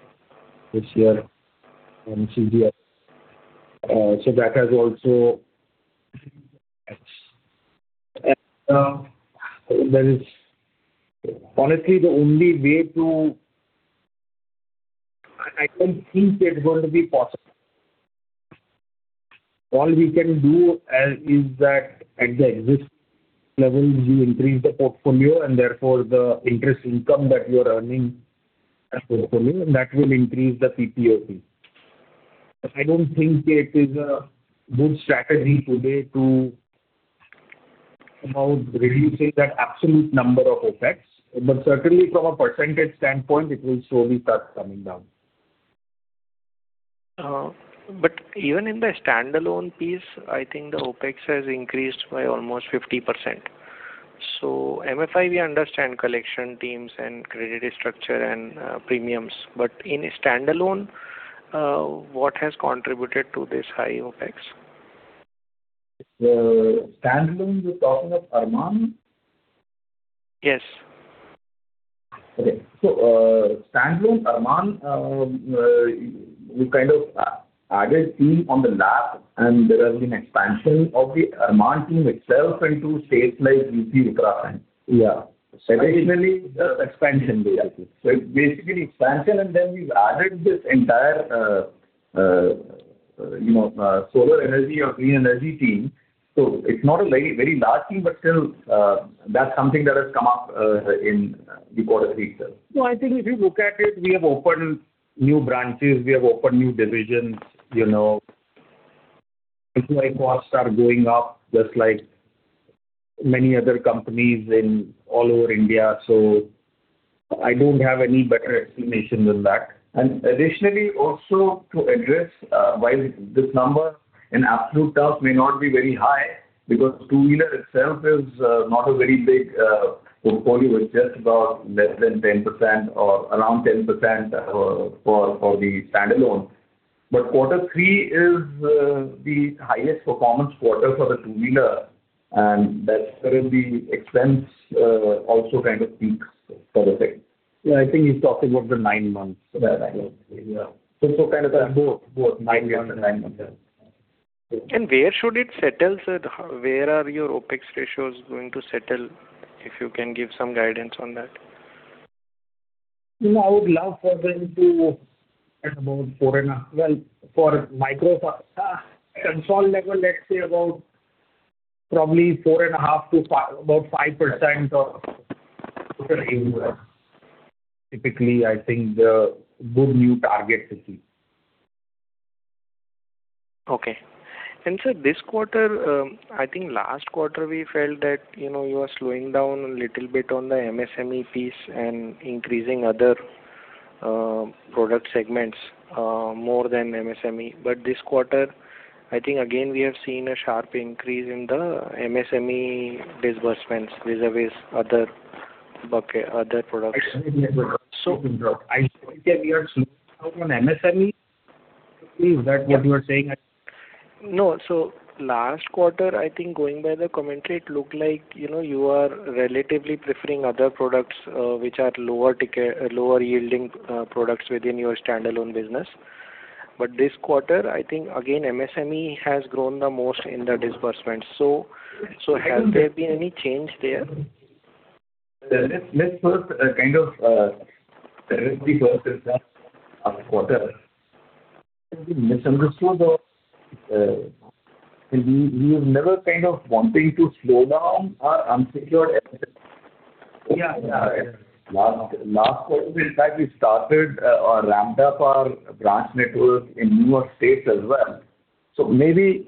this year in CGTMSE. So that has also- And there is... Honestly, the only way to... I don't think it's going to be possible. All we can do is that at the existing level, we increase the portfolio, and therefore the interest income that we are earning as portfolio, and that will increase the PPOP. I don't think it is a good strategy today to about reducing that absolute number of OpEx, but certainly from a percentage standpoint, it will slowly start coming down. Even in the standalone piece, I think the OpEx has increased by almost 50%. MFI, we understand collection teams and credit structure and premiums, but in standalone, what has contributed to this high OpEx? Standalone, you're talking of Arman? Yes. Okay. So, standalone Arman, we kind of added team on the LAP, and there has been expansion of the Arman team itself into states like UP, Uttarakhand. Yeah. Additionally, the expansion basically. So basically expansion, and then we've added this entire, you know, solar energy or clean energy team. So it's not a very, very large team, but still, that's something that has come up in the quarter three itself. No, I think if you look at it, we have opened new branches, we have opened new divisions, you know. Employee costs are going up, just like many other companies all over India, so I don't have any better explanation than that. And additionally, also to address, while this number in absolute terms may not be very high, because two-wheeler itself is not a very big portfolio, it's just about less than 10% or around 10%, for the standalone. But quarter three is the highest performance quarter for the two-wheeler, and that's where the expense also kind of peaks sort of thing. Yeah, I think he's talking about the nine months. Yeah. Yeah. So, so kind of both, both nine months and nine months, yeah. Where should it settle, sir? Where are your OpEx ratios going to settle, if you can give some guidance on that? No, I would love for them to aim at about 4.5%-5%, about 5% of the AUM there. Well, for micro, at all level, let's say about probably 4.5%-5%, about 5% of the AUM there. Typically, I think the good new target to keep. Okay. And, sir, this quarter, I think last quarter, we felt that, you know, you are slowing down a little bit on the MSME piece and increasing other product segments more than MSME. But this quarter, I think again, we have seen a sharp increase in the MSME disbursements vis-a-vis other bucket, other products. I think we are seeing on MSME. Is that what you are saying? No. So last quarter, I think going by the commentary, it looked like, you know, you are relatively preferring other products, which are lower ticket, lower yielding products within your standalone business. But this quarter, I think again, MSME has grown the most in the disbursement. So, has there been any change there? Let's, let's first kind of directly. First is the quarter. We misunderstood the. We, we were never kind of wanting to slow down our unsecured. Yeah. Last, last quarter, in fact, we started or ramped up our branch network in newer states as well. So maybe,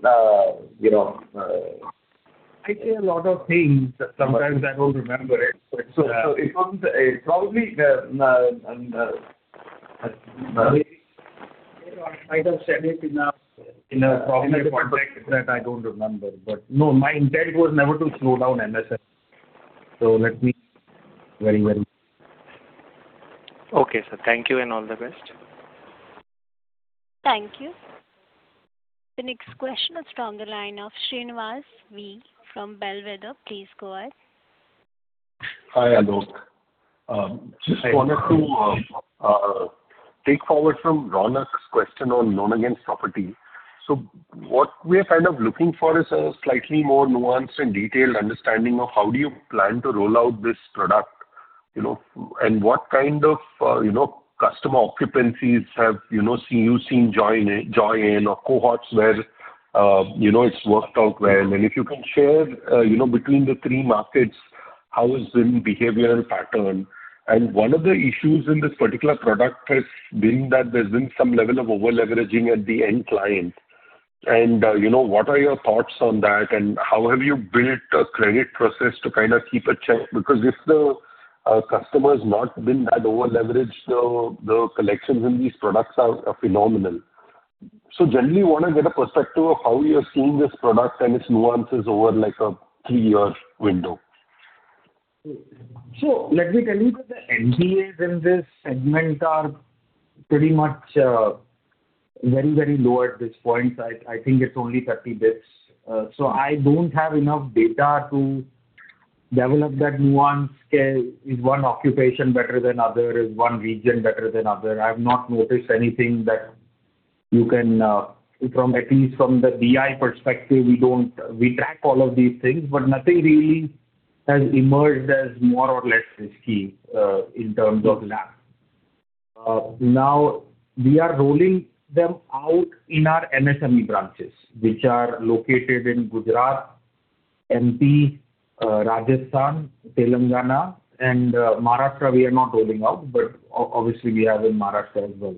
you know. I say a lot of things, but sometimes I don't remember it. So, so it wasn't probably the. I, I might have said it in a proper context that I don't remember. But no, my intent was never to slow down MSME, so let me very, very. Okay, sir. Thank you, and all the best. Thank you. The next question is from the line of Srinivas V from Bellwether Capital. Please go ahead. Hi, Aalok. Just wanted to take forward from Ronak's question on loan against property. So what we're kind of looking for is a slightly more nuanced and detailed understanding of how do you plan to roll out this product, you know? And what kind of, you know, customer occupancies have, you know, you've seen join in, join in or cohorts where, you know, it's worked out well. And if you can share, you know, between the three markets, how has been behavioral pattern? And one of the issues in this particular product has been that there's been some level of over-leveraging at the end client. And, you know, what are your thoughts on that, and how have you built a credit process to kind of keep a check? Because if the-... Customers not been that over-leveraged, so the collections in these products are phenomenal. So generally, we want to get a perspective of how you are seeing this product and its nuances over like a three-year window. So let me tell you that the NPAs in this segment are pretty much very, very low at this point. I think it's only 30 bps. So I don't have enough data to develop that nuance scale. Is one occupation better than other? Is one region better than other? I've not noticed anything that you can from at least from the BI perspective, we do track all of these things, but nothing really has emerged as more or less risky in terms of LAP. Now we are rolling them out in our MSME branches, which are located in Gujarat, MP, Rajasthan, Telangana, and Maharashtra, we are not rolling out, but obviously we have in Maharashtra as well.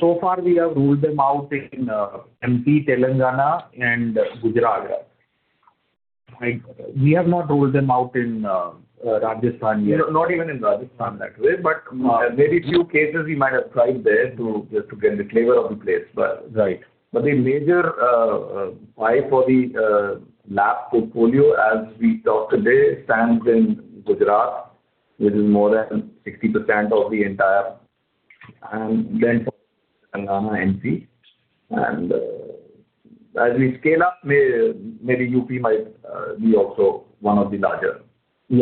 So far we have rolled them out in MP, Telangana, and Gujarat. I- We have not rolled them out in Rajasthan yet. No, not even in Rajasthan, actually, but- Uh. Maybe few cases we might have tried there too, just to get the flavor of the place, but- Right. But the major buy for the LAP portfolio, as we talk today, stands in Gujarat, which is more than 60% of the entire, and then Telangana, MP. And, as we scale up, maybe UP might be also one of the larger.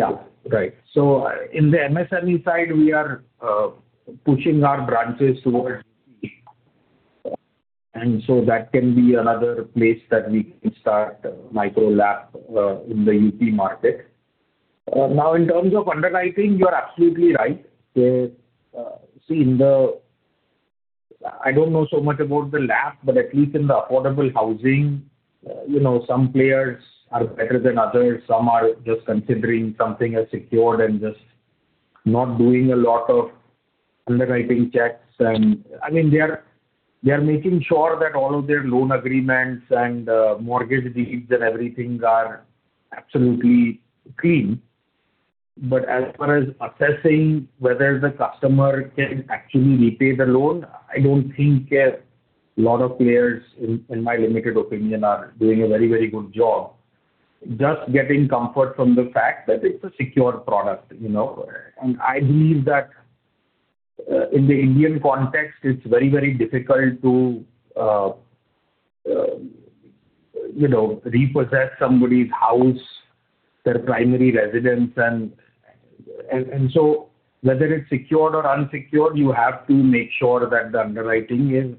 Yeah. Right. So, in the MSME side, we are pushing our branches towards UP, and so that can be another place that we can start Micro LAP, in the UP market. Now, in terms of underwriting, you're absolutely right. See, in the... I don't know so much about the LAP, but at least in the affordable housing, you know, some players are better than others. Some are just considering something as secured and just not doing a lot of underwriting checks. And I mean, they are, they are making sure that all of their loan agreements and, mortgage deeds and everything are absolutely clean. But as far as assessing whether the customer can actually repay the loan, I don't think a lot of players, in, in my limited opinion, are doing a very, very good job. Just getting comfort from the fact that it's a secure product, you know? And I believe that, in the Indian context, it's very, very difficult to, you know, repossess somebody's house, their primary residence. And so whether it's secured or unsecured, you have to make sure that the underwriting is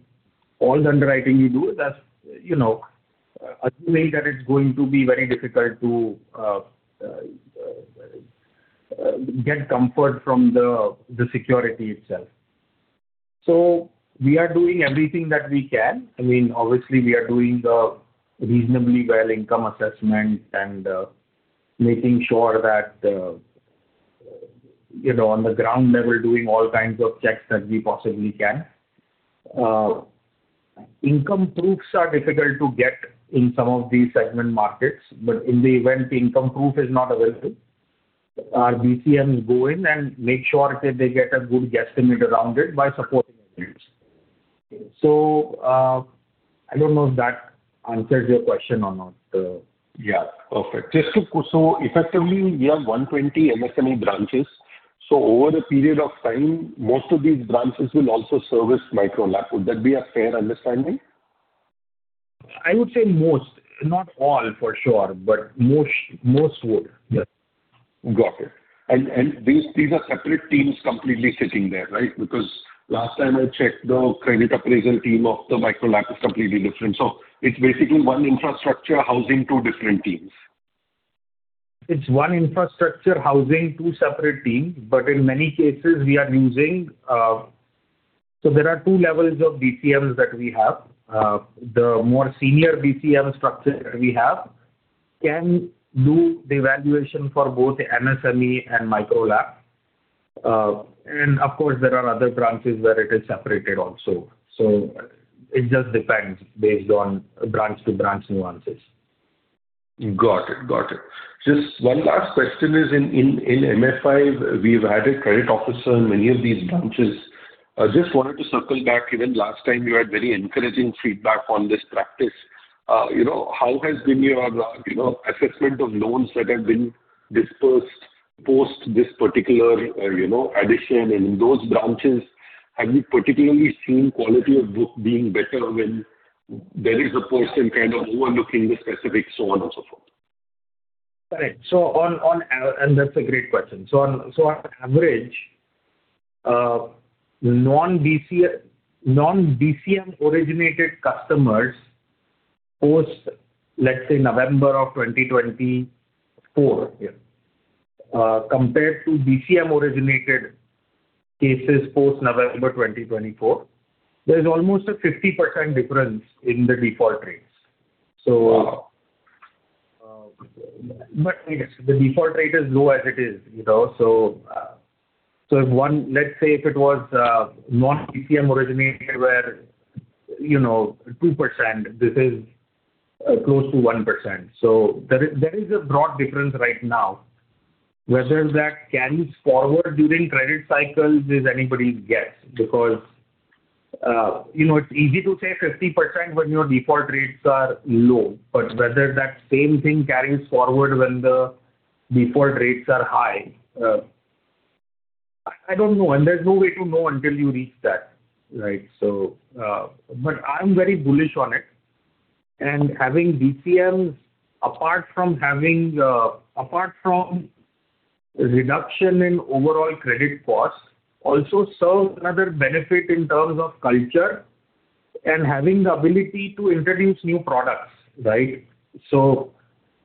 all the underwriting you do, that's, you know, assuming that it's going to be very difficult to get comfort from the security itself. So we are doing everything that we can. I mean, obviously, we are doing the reasonably well income assessment and making sure that, you know, on the ground level, doing all kinds of checks that we possibly can. Income proofs are difficult to get in some of these segment markets, but in the event the income proof is not available, our BCMs go in and make sure that they get a good guesstimate around it by supporting the claims. So, I don't know if that answered your question or not. Yeah. Perfect. Just to... So effectively, we have 120 MSME branches, so over a period of time, most of these branches will also service Micro LAP. Would that be a fair understanding? I would say most, not all, for sure, but most, most would, yes. Got it. And these are separate teams completely sitting there, right? Because last time I checked, the credit appraisal team of the Micro LAP is completely different. So it's basically one infrastructure housing two different teams. It's one infrastructure housing two separate teams, but in many cases, we are using. So there are two levels of BCMs that we have. The more senior BCM structure we have can do the evaluation for both the MSME and Micro LAP. And of course, there are other branches where it is separated also. So it just depends based on branch to branch nuances. Got it. Got it. Just one last question is in MFI, we've added credit officer in many of these branches. I just wanted to circle back. Even last time, you had very encouraging feedback on this practice. You know, how has been your, you know, assessment of loans that have been disbursed post this particular, you know, addition in those branches? Have you particularly seen quality of book being better when there is a person kind of overlooking the specifics, so on and so forth? Right. And that's a great question. So on average, non-BCM-originated customers post, let's say, November of 2024, yeah, compared to BCM-originated cases post-November 2024, there's almost a 50% difference in the default rates. So- Wow! But the default rate is low as it is, you know, so, so if one, let's say, if it was non-BCM originator where, you know, 2%, this is close to 1%. So there is, there is a broad difference right now. Whether that carries forward during credit cycles is anybody's guess, because, you know, it's easy to say 50% when your default rates are low, but whether that same thing carries forward when the default rates are high, I don't know, and there's no way to know until you reach that, right? So, but I'm very bullish on it. And having BCMs, apart from having, apart from reduction in overall credit costs, also serves another benefit in terms of culture and having the ability to introduce new products, right? So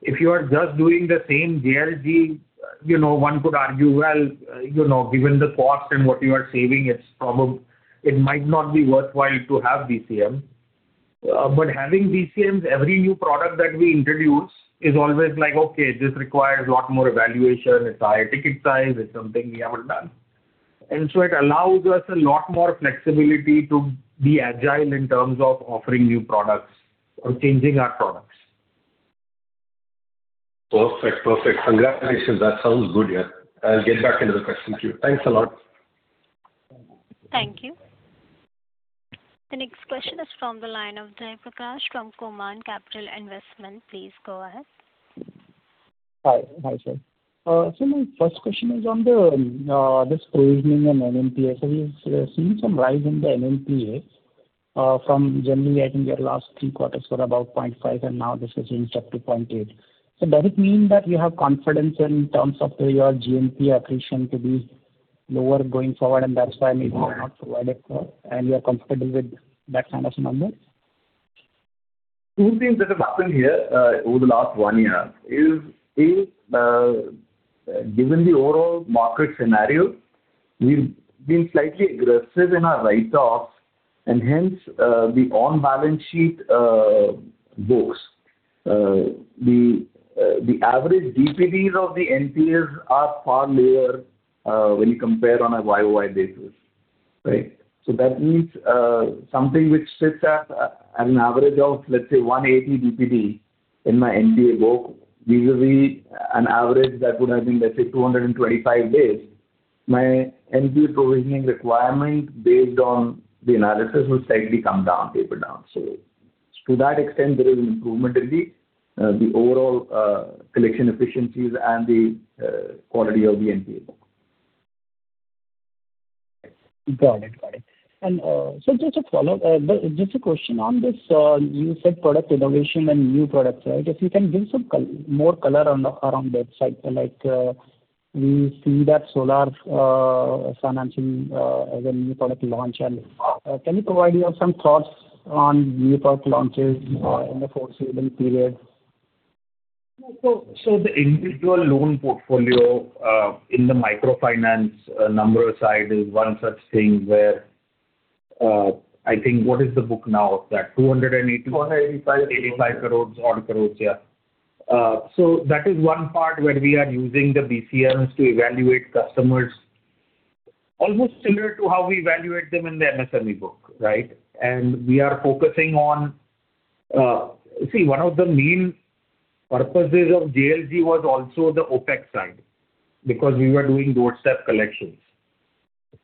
if you are just doing the same JLG, you know, one could argue, well, you know, given the cost and what you are saving, it's probably... it might not be worthwhile to have BCM. But having BCMs, every new product that we introduce is always like, okay, this requires a lot more evaluation. It's a higher ticket size. It's something we haven't done. And so it allows us a lot more flexibility to be agile in terms of offering new products or changing our products. Perfect. Perfect. Congratulations. That sounds good, yeah. I'll get back into the question queue. Thanks a lot. Thank you. The next question is from the line of Jaiprakash Kumhar from Korman Capital Investment. Please go ahead. Hi. Hi, sir. So my first question is on this provisioning and NNPA. So we've seen some rise in the NNPA from generally, I think, your last 3 quarters were about 0.5%, and now this has increased up to 0.8%. So does it mean that you have confidence in terms of your GNPA accretion to be lower going forward, and that's why maybe you have not provided for, and you are comfortable with that kind of numbers? Two things that have happened here over the last one year is, given the overall market scenario, we've been slightly aggressive in our write-offs and hence the on-balance sheet books. The average DPDs of the NPAs are far lower when you compare on a year-over-year basis, right? So that means something which sits at an average of, let's say, 180 DPD in my NPA book, usually an average that would have been, let's say, 225 days. My NPA provisioning requirement, based on the analysis, will slightly come down, taper down. So to that extent, there is an improvement in the overall collection efficiencies and the quality of the NPA book. Got it. Got it. And, so just a follow-up. But just a question on this, you said product innovation and new products, right? If you can give some more color on the around that side. Like, we see that solar financing as a new product launch. And, can you provide me some thoughts on new product launches in the foreseeable period? So, the individual loan portfolio in the microfinance number side is one such thing where, I think... What is the book now of that? 280- 285 85 crore, odd crore, yeah. So that is one part where we are using the BCMs to evaluate customers, almost similar to how we evaluate them in the MSME book, right? And we are focusing on... See, one of the main purposes of JLG was also the OpEx side, because we were doing doorstep collections.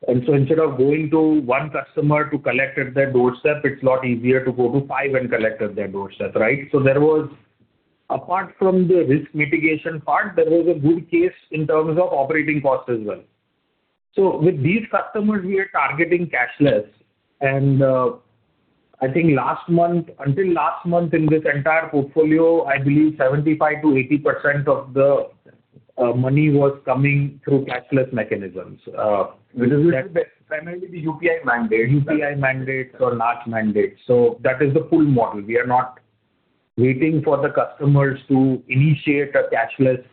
And so instead of going to 1 customer to collect at their doorstep, it's a lot easier to go to 5 and collect at their doorstep, right? So there was, apart from the risk mitigation part, there was a good case in terms of operating costs as well. So with these customers, we are targeting cashless and, I think last month, until last month, in this entire portfolio, I believe 75%-80% of the money was coming through cashless mechanisms, which is- Primarily the UPI mandate. UPI mandate or NACH mandate. So that is the pull model. We are not waiting for the customers to initiate a cashless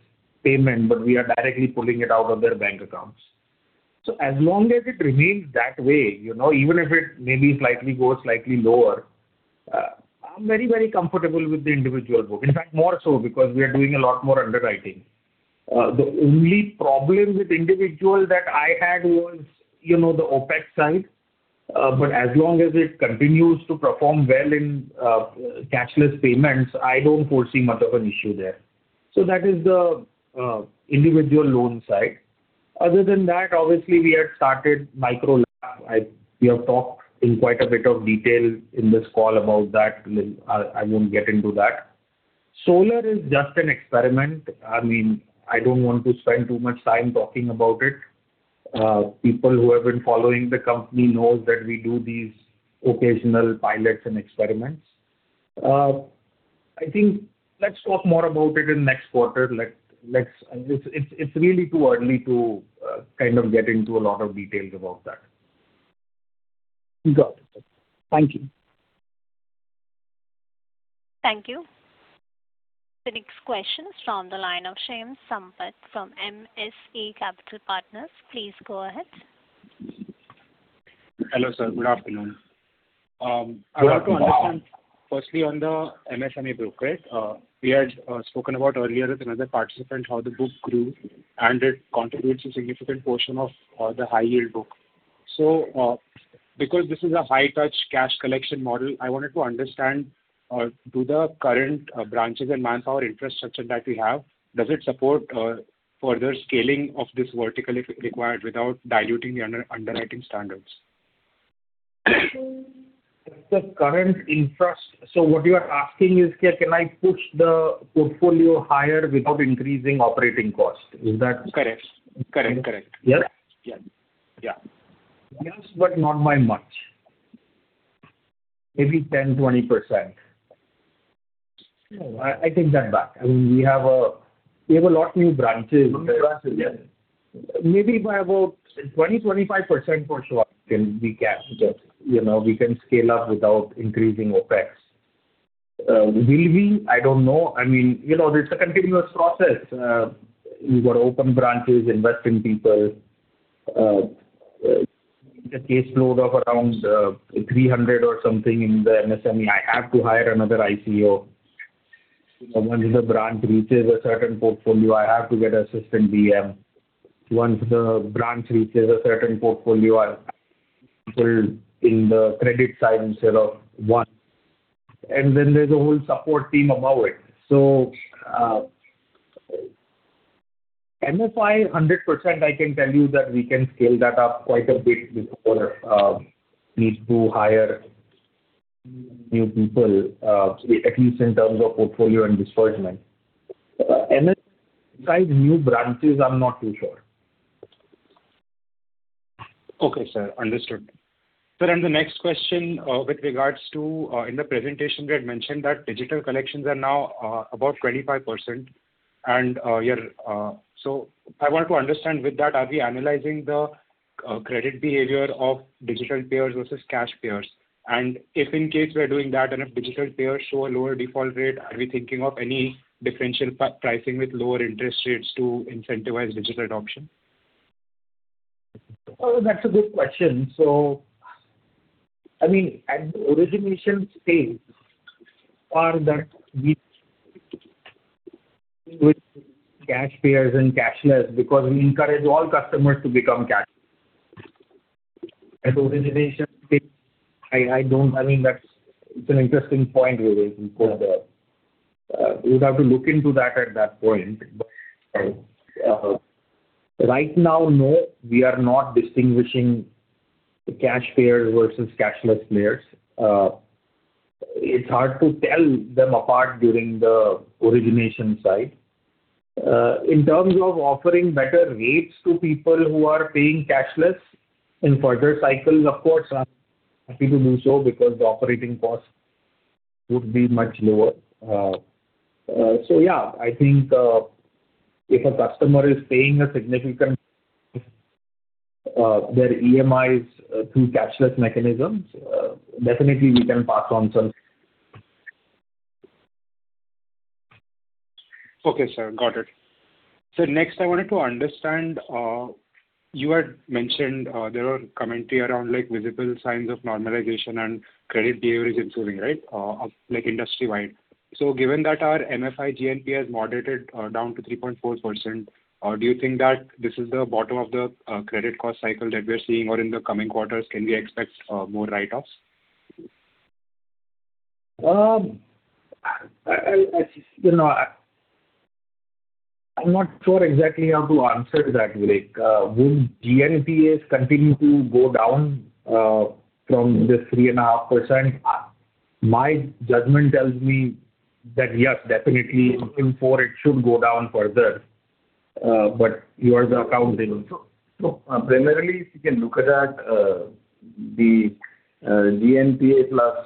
payment, but we are directly pulling it out of their bank accounts. So as long as it remains that way, you know, even if it maybe slightly goes slightly lower, I'm very, very comfortable with the individual book. In fact, more so because we are doing a lot more underwriting. The only problem with individual that I had was, you know, the OpEx side, but as long as it continues to perform well in cashless payments, I don't foresee much of an issue there. So that is the individual loan side. Other than that, obviously, we had started micro LAP. We have talked in quite a bit of detail in this call about that. I won't get into that. Solar is just an experiment. I mean, I don't want to spend too much time talking about it. People who have been following the company knows that we do these occasional pilots and experiments. I think let's talk more about it in next quarter. Let's... It's, it's, it's really too early to kind of get into a lot of details about that. Got it. Thank you. Thank you. The next question is from the line of [Shyam Sampat] from MSE Capital Partners. Please go ahead.... Hello, sir. Good afternoon. I want to understand, firstly, on the MSME book, right? We had spoken about earlier with another participant, how the book grew, and it contributes a significant portion of the high yield book. So, because this is a high-touch cash collection model, I wanted to understand, do the current branches and manpower infrastructure that we have, does it support further scaling of this vertical if required without diluting the underwriting standards? The current infra... So what you are asking is, can I push the portfolio higher without increasing operating costs? Is that- Correct. Correct, correct. Yes? Yeah. Yeah. Yes, but not by much. Maybe 10%-20%. No, I, I take that back. I mean, we have a, we have a lot new branches. New branches, yes. Maybe by about 20%-25%, for sure, can be captured. You know, we can scale up without increasing OpEx. Will we? I don't know. I mean, you know, it's a continuous process. We've got to open branches, invest in people. The caseload of around 300 or something in the MSME, I have to hire another ICO. Once the branch reaches a certain portfolio, I have to get an assistant BM. Once the branch reaches a certain portfolio, I'll pull in the credit side instead of one. And then there's a whole support team above it. So, MFI, 100%, I can tell you that we can scale that up quite a bit before need to hire new people, at least in terms of portfolio and disbursement. MSME side new branches, I'm not too sure. Okay, sir. Understood. Sir, and the next question, with regards to, in the presentation, we had mentioned that digital collections are now about 25%, and, you're... So I want to understand with that, are we analyzing the credit behavior of digital payers versus cash payers? And if in case we are doing that, and if digital payers show a lower default rate, are we thinking of any differential pricing with lower interest rates to incentivize digital adoption? Oh, that's a good question. So I mean, at origination stage, are that we with cash payers and cashless, because we encourage all customers to become cash. At origination stage, I don't... I mean, that's, it's an interesting point, Vivek. Because, we'd have to look into that at that point. But, right now, no, we are not distinguishing the cash payers versus cashless payers. It's hard to tell them apart during the origination side. In terms of offering better rates to people who are paying cashless in further cycles, of course, I'm happy to do so because the operating cost would be much lower. So yeah, I think, if a customer is paying a significant, their EMIs through cashless mechanisms, definitely we can pass on some. Okay, sir. Got it. Sir, next, I wanted to understand, you had mentioned, there were commentary around like visible signs of normalization and credit behavior is improving, right? Of like industry-wide. So given that our MFI GNPA has moderated down to 3.4%, do you think that this is the bottom of the credit cost cycle that we are seeing, or in the coming quarters, can we expect more write-offs? You know, I'm not sure exactly how to answer that, Vivek. Will GNPA continue to go down from this 3.5%? My judgment tells me that, yes, definitely, looking forward, it should go down further, but you are the accounting also. So, primarily, if you can look at the GNPA plus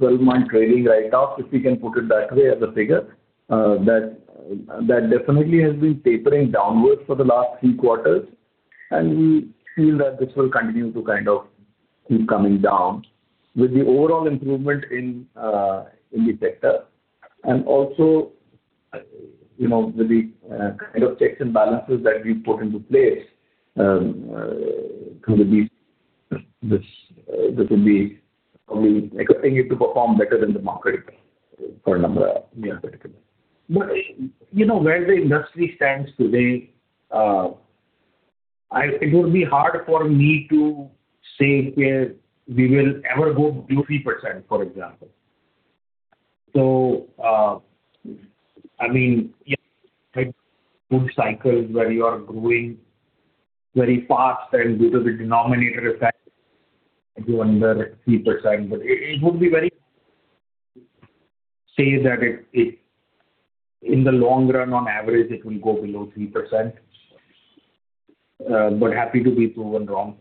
12-month trading write-offs, if you can put it that way as a figure, that definitely has been tapering downwards for the last 3 quarters. And we feel that this will continue to kind of keep coming down. With the overall improvement in the sector, and also, you know, with the kind of checks and balances that we've put into place, this will be probably expecting it to perform better than the market for number, yeah. But, you know, where the industry stands today, it would be hard for me to say, where we will ever go to 3%, for example. So, I mean, yeah, good cycle where you are growing very fast, and because the denominator effect, maybe under like 3%, but it would be very say that it, it in the long run, on average, it will go below 3%, but happy to be proven wrong.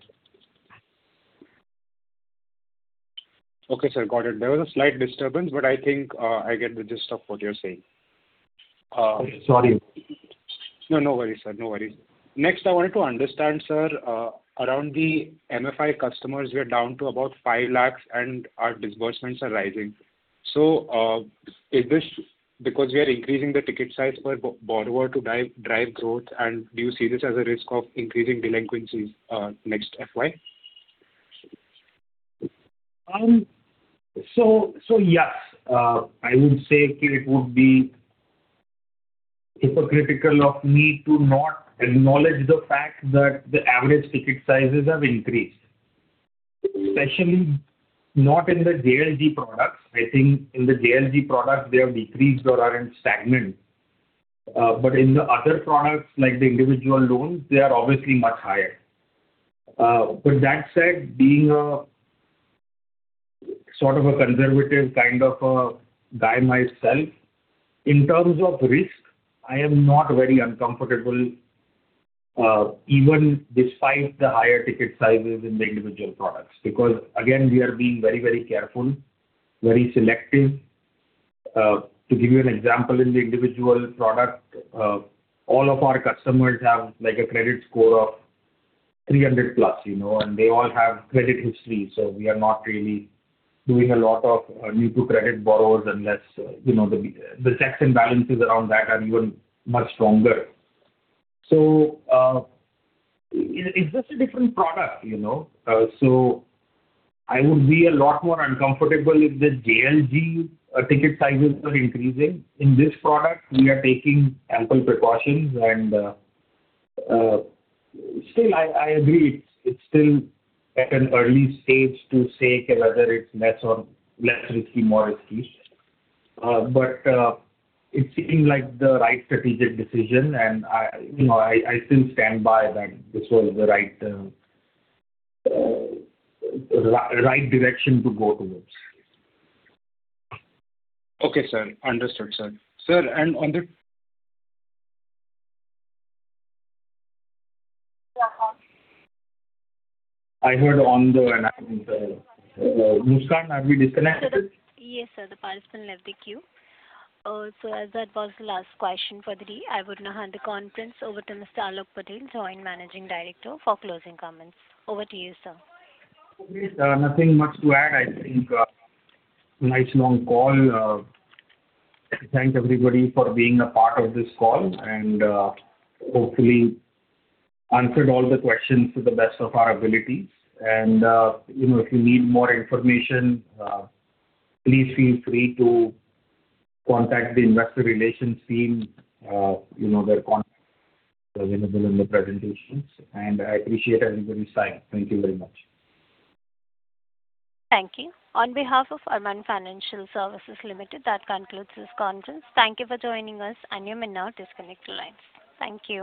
Okay, sir. Got it. There was a slight disturbance, but I think, I get the gist of what you're saying. Sorry. No, no worries, sir. No worries. Next, I wanted to understand, sir, around the MFI customers. We are down to about 500,000, and our disbursements are rising... So, is this because we are increasing the ticket size per borrower to drive growth? And do you see this as a risk of increasing delinquencies next FY? Yes, I would say it would be hypocritical of me to not acknowledge the fact that the average ticket sizes have increased, especially not in the JLG products. I think in the JLG products, they have decreased or are stagnant. But in the other products, like the individual loans, they are obviously much higher. But that said, being a sort of a conservative kind of a guy myself, in terms of risk, I am not very uncomfortable, even despite the higher ticket sizes in the individual products. Because, again, we are being very, very careful, very selective. To give you an example, in the individual product, all of our customers have, like, a credit score of 300+, you know, and they all have credit history. So we are not really doing a lot of new to credit borrowers unless, you know, the checks and balances around that are even much stronger. So, it's just a different product, you know? So I would be a lot more uncomfortable if the JLG ticket sizes are increasing. In this product, we are taking ample precautions and still, I agree, it's still at an early stage to say whether it's less or less risky, more risky. But, it seemed like the right strategic decision, and I, you know, I still stand by that this was the right right direction to go towards. Okay, sir. Understood, sir. Sir, and on the- Yeah. I heard on the line. Muskan, are we disconnected? Yes, sir. The participant left the queue. So as that was the last question for the day, I would now hand the conference over to Mr. Aalok Patel, Joint Managing Director, for closing comments. Over to you, sir. Okay. Nothing much to add. I think, nice long call. Thank everybody for being a part of this call and, hopefully answered all the questions to the best of our abilities. You know, if you need more information, please feel free to contact the investor relations team. You know, their contact available in the presentations, and I appreciate everybody's time. Thank you very much. Thank you. On behalf of Arman Financial Services Limited, that concludes this conference. Thank you for joining us, and you may now disconnect your lines. Thank you.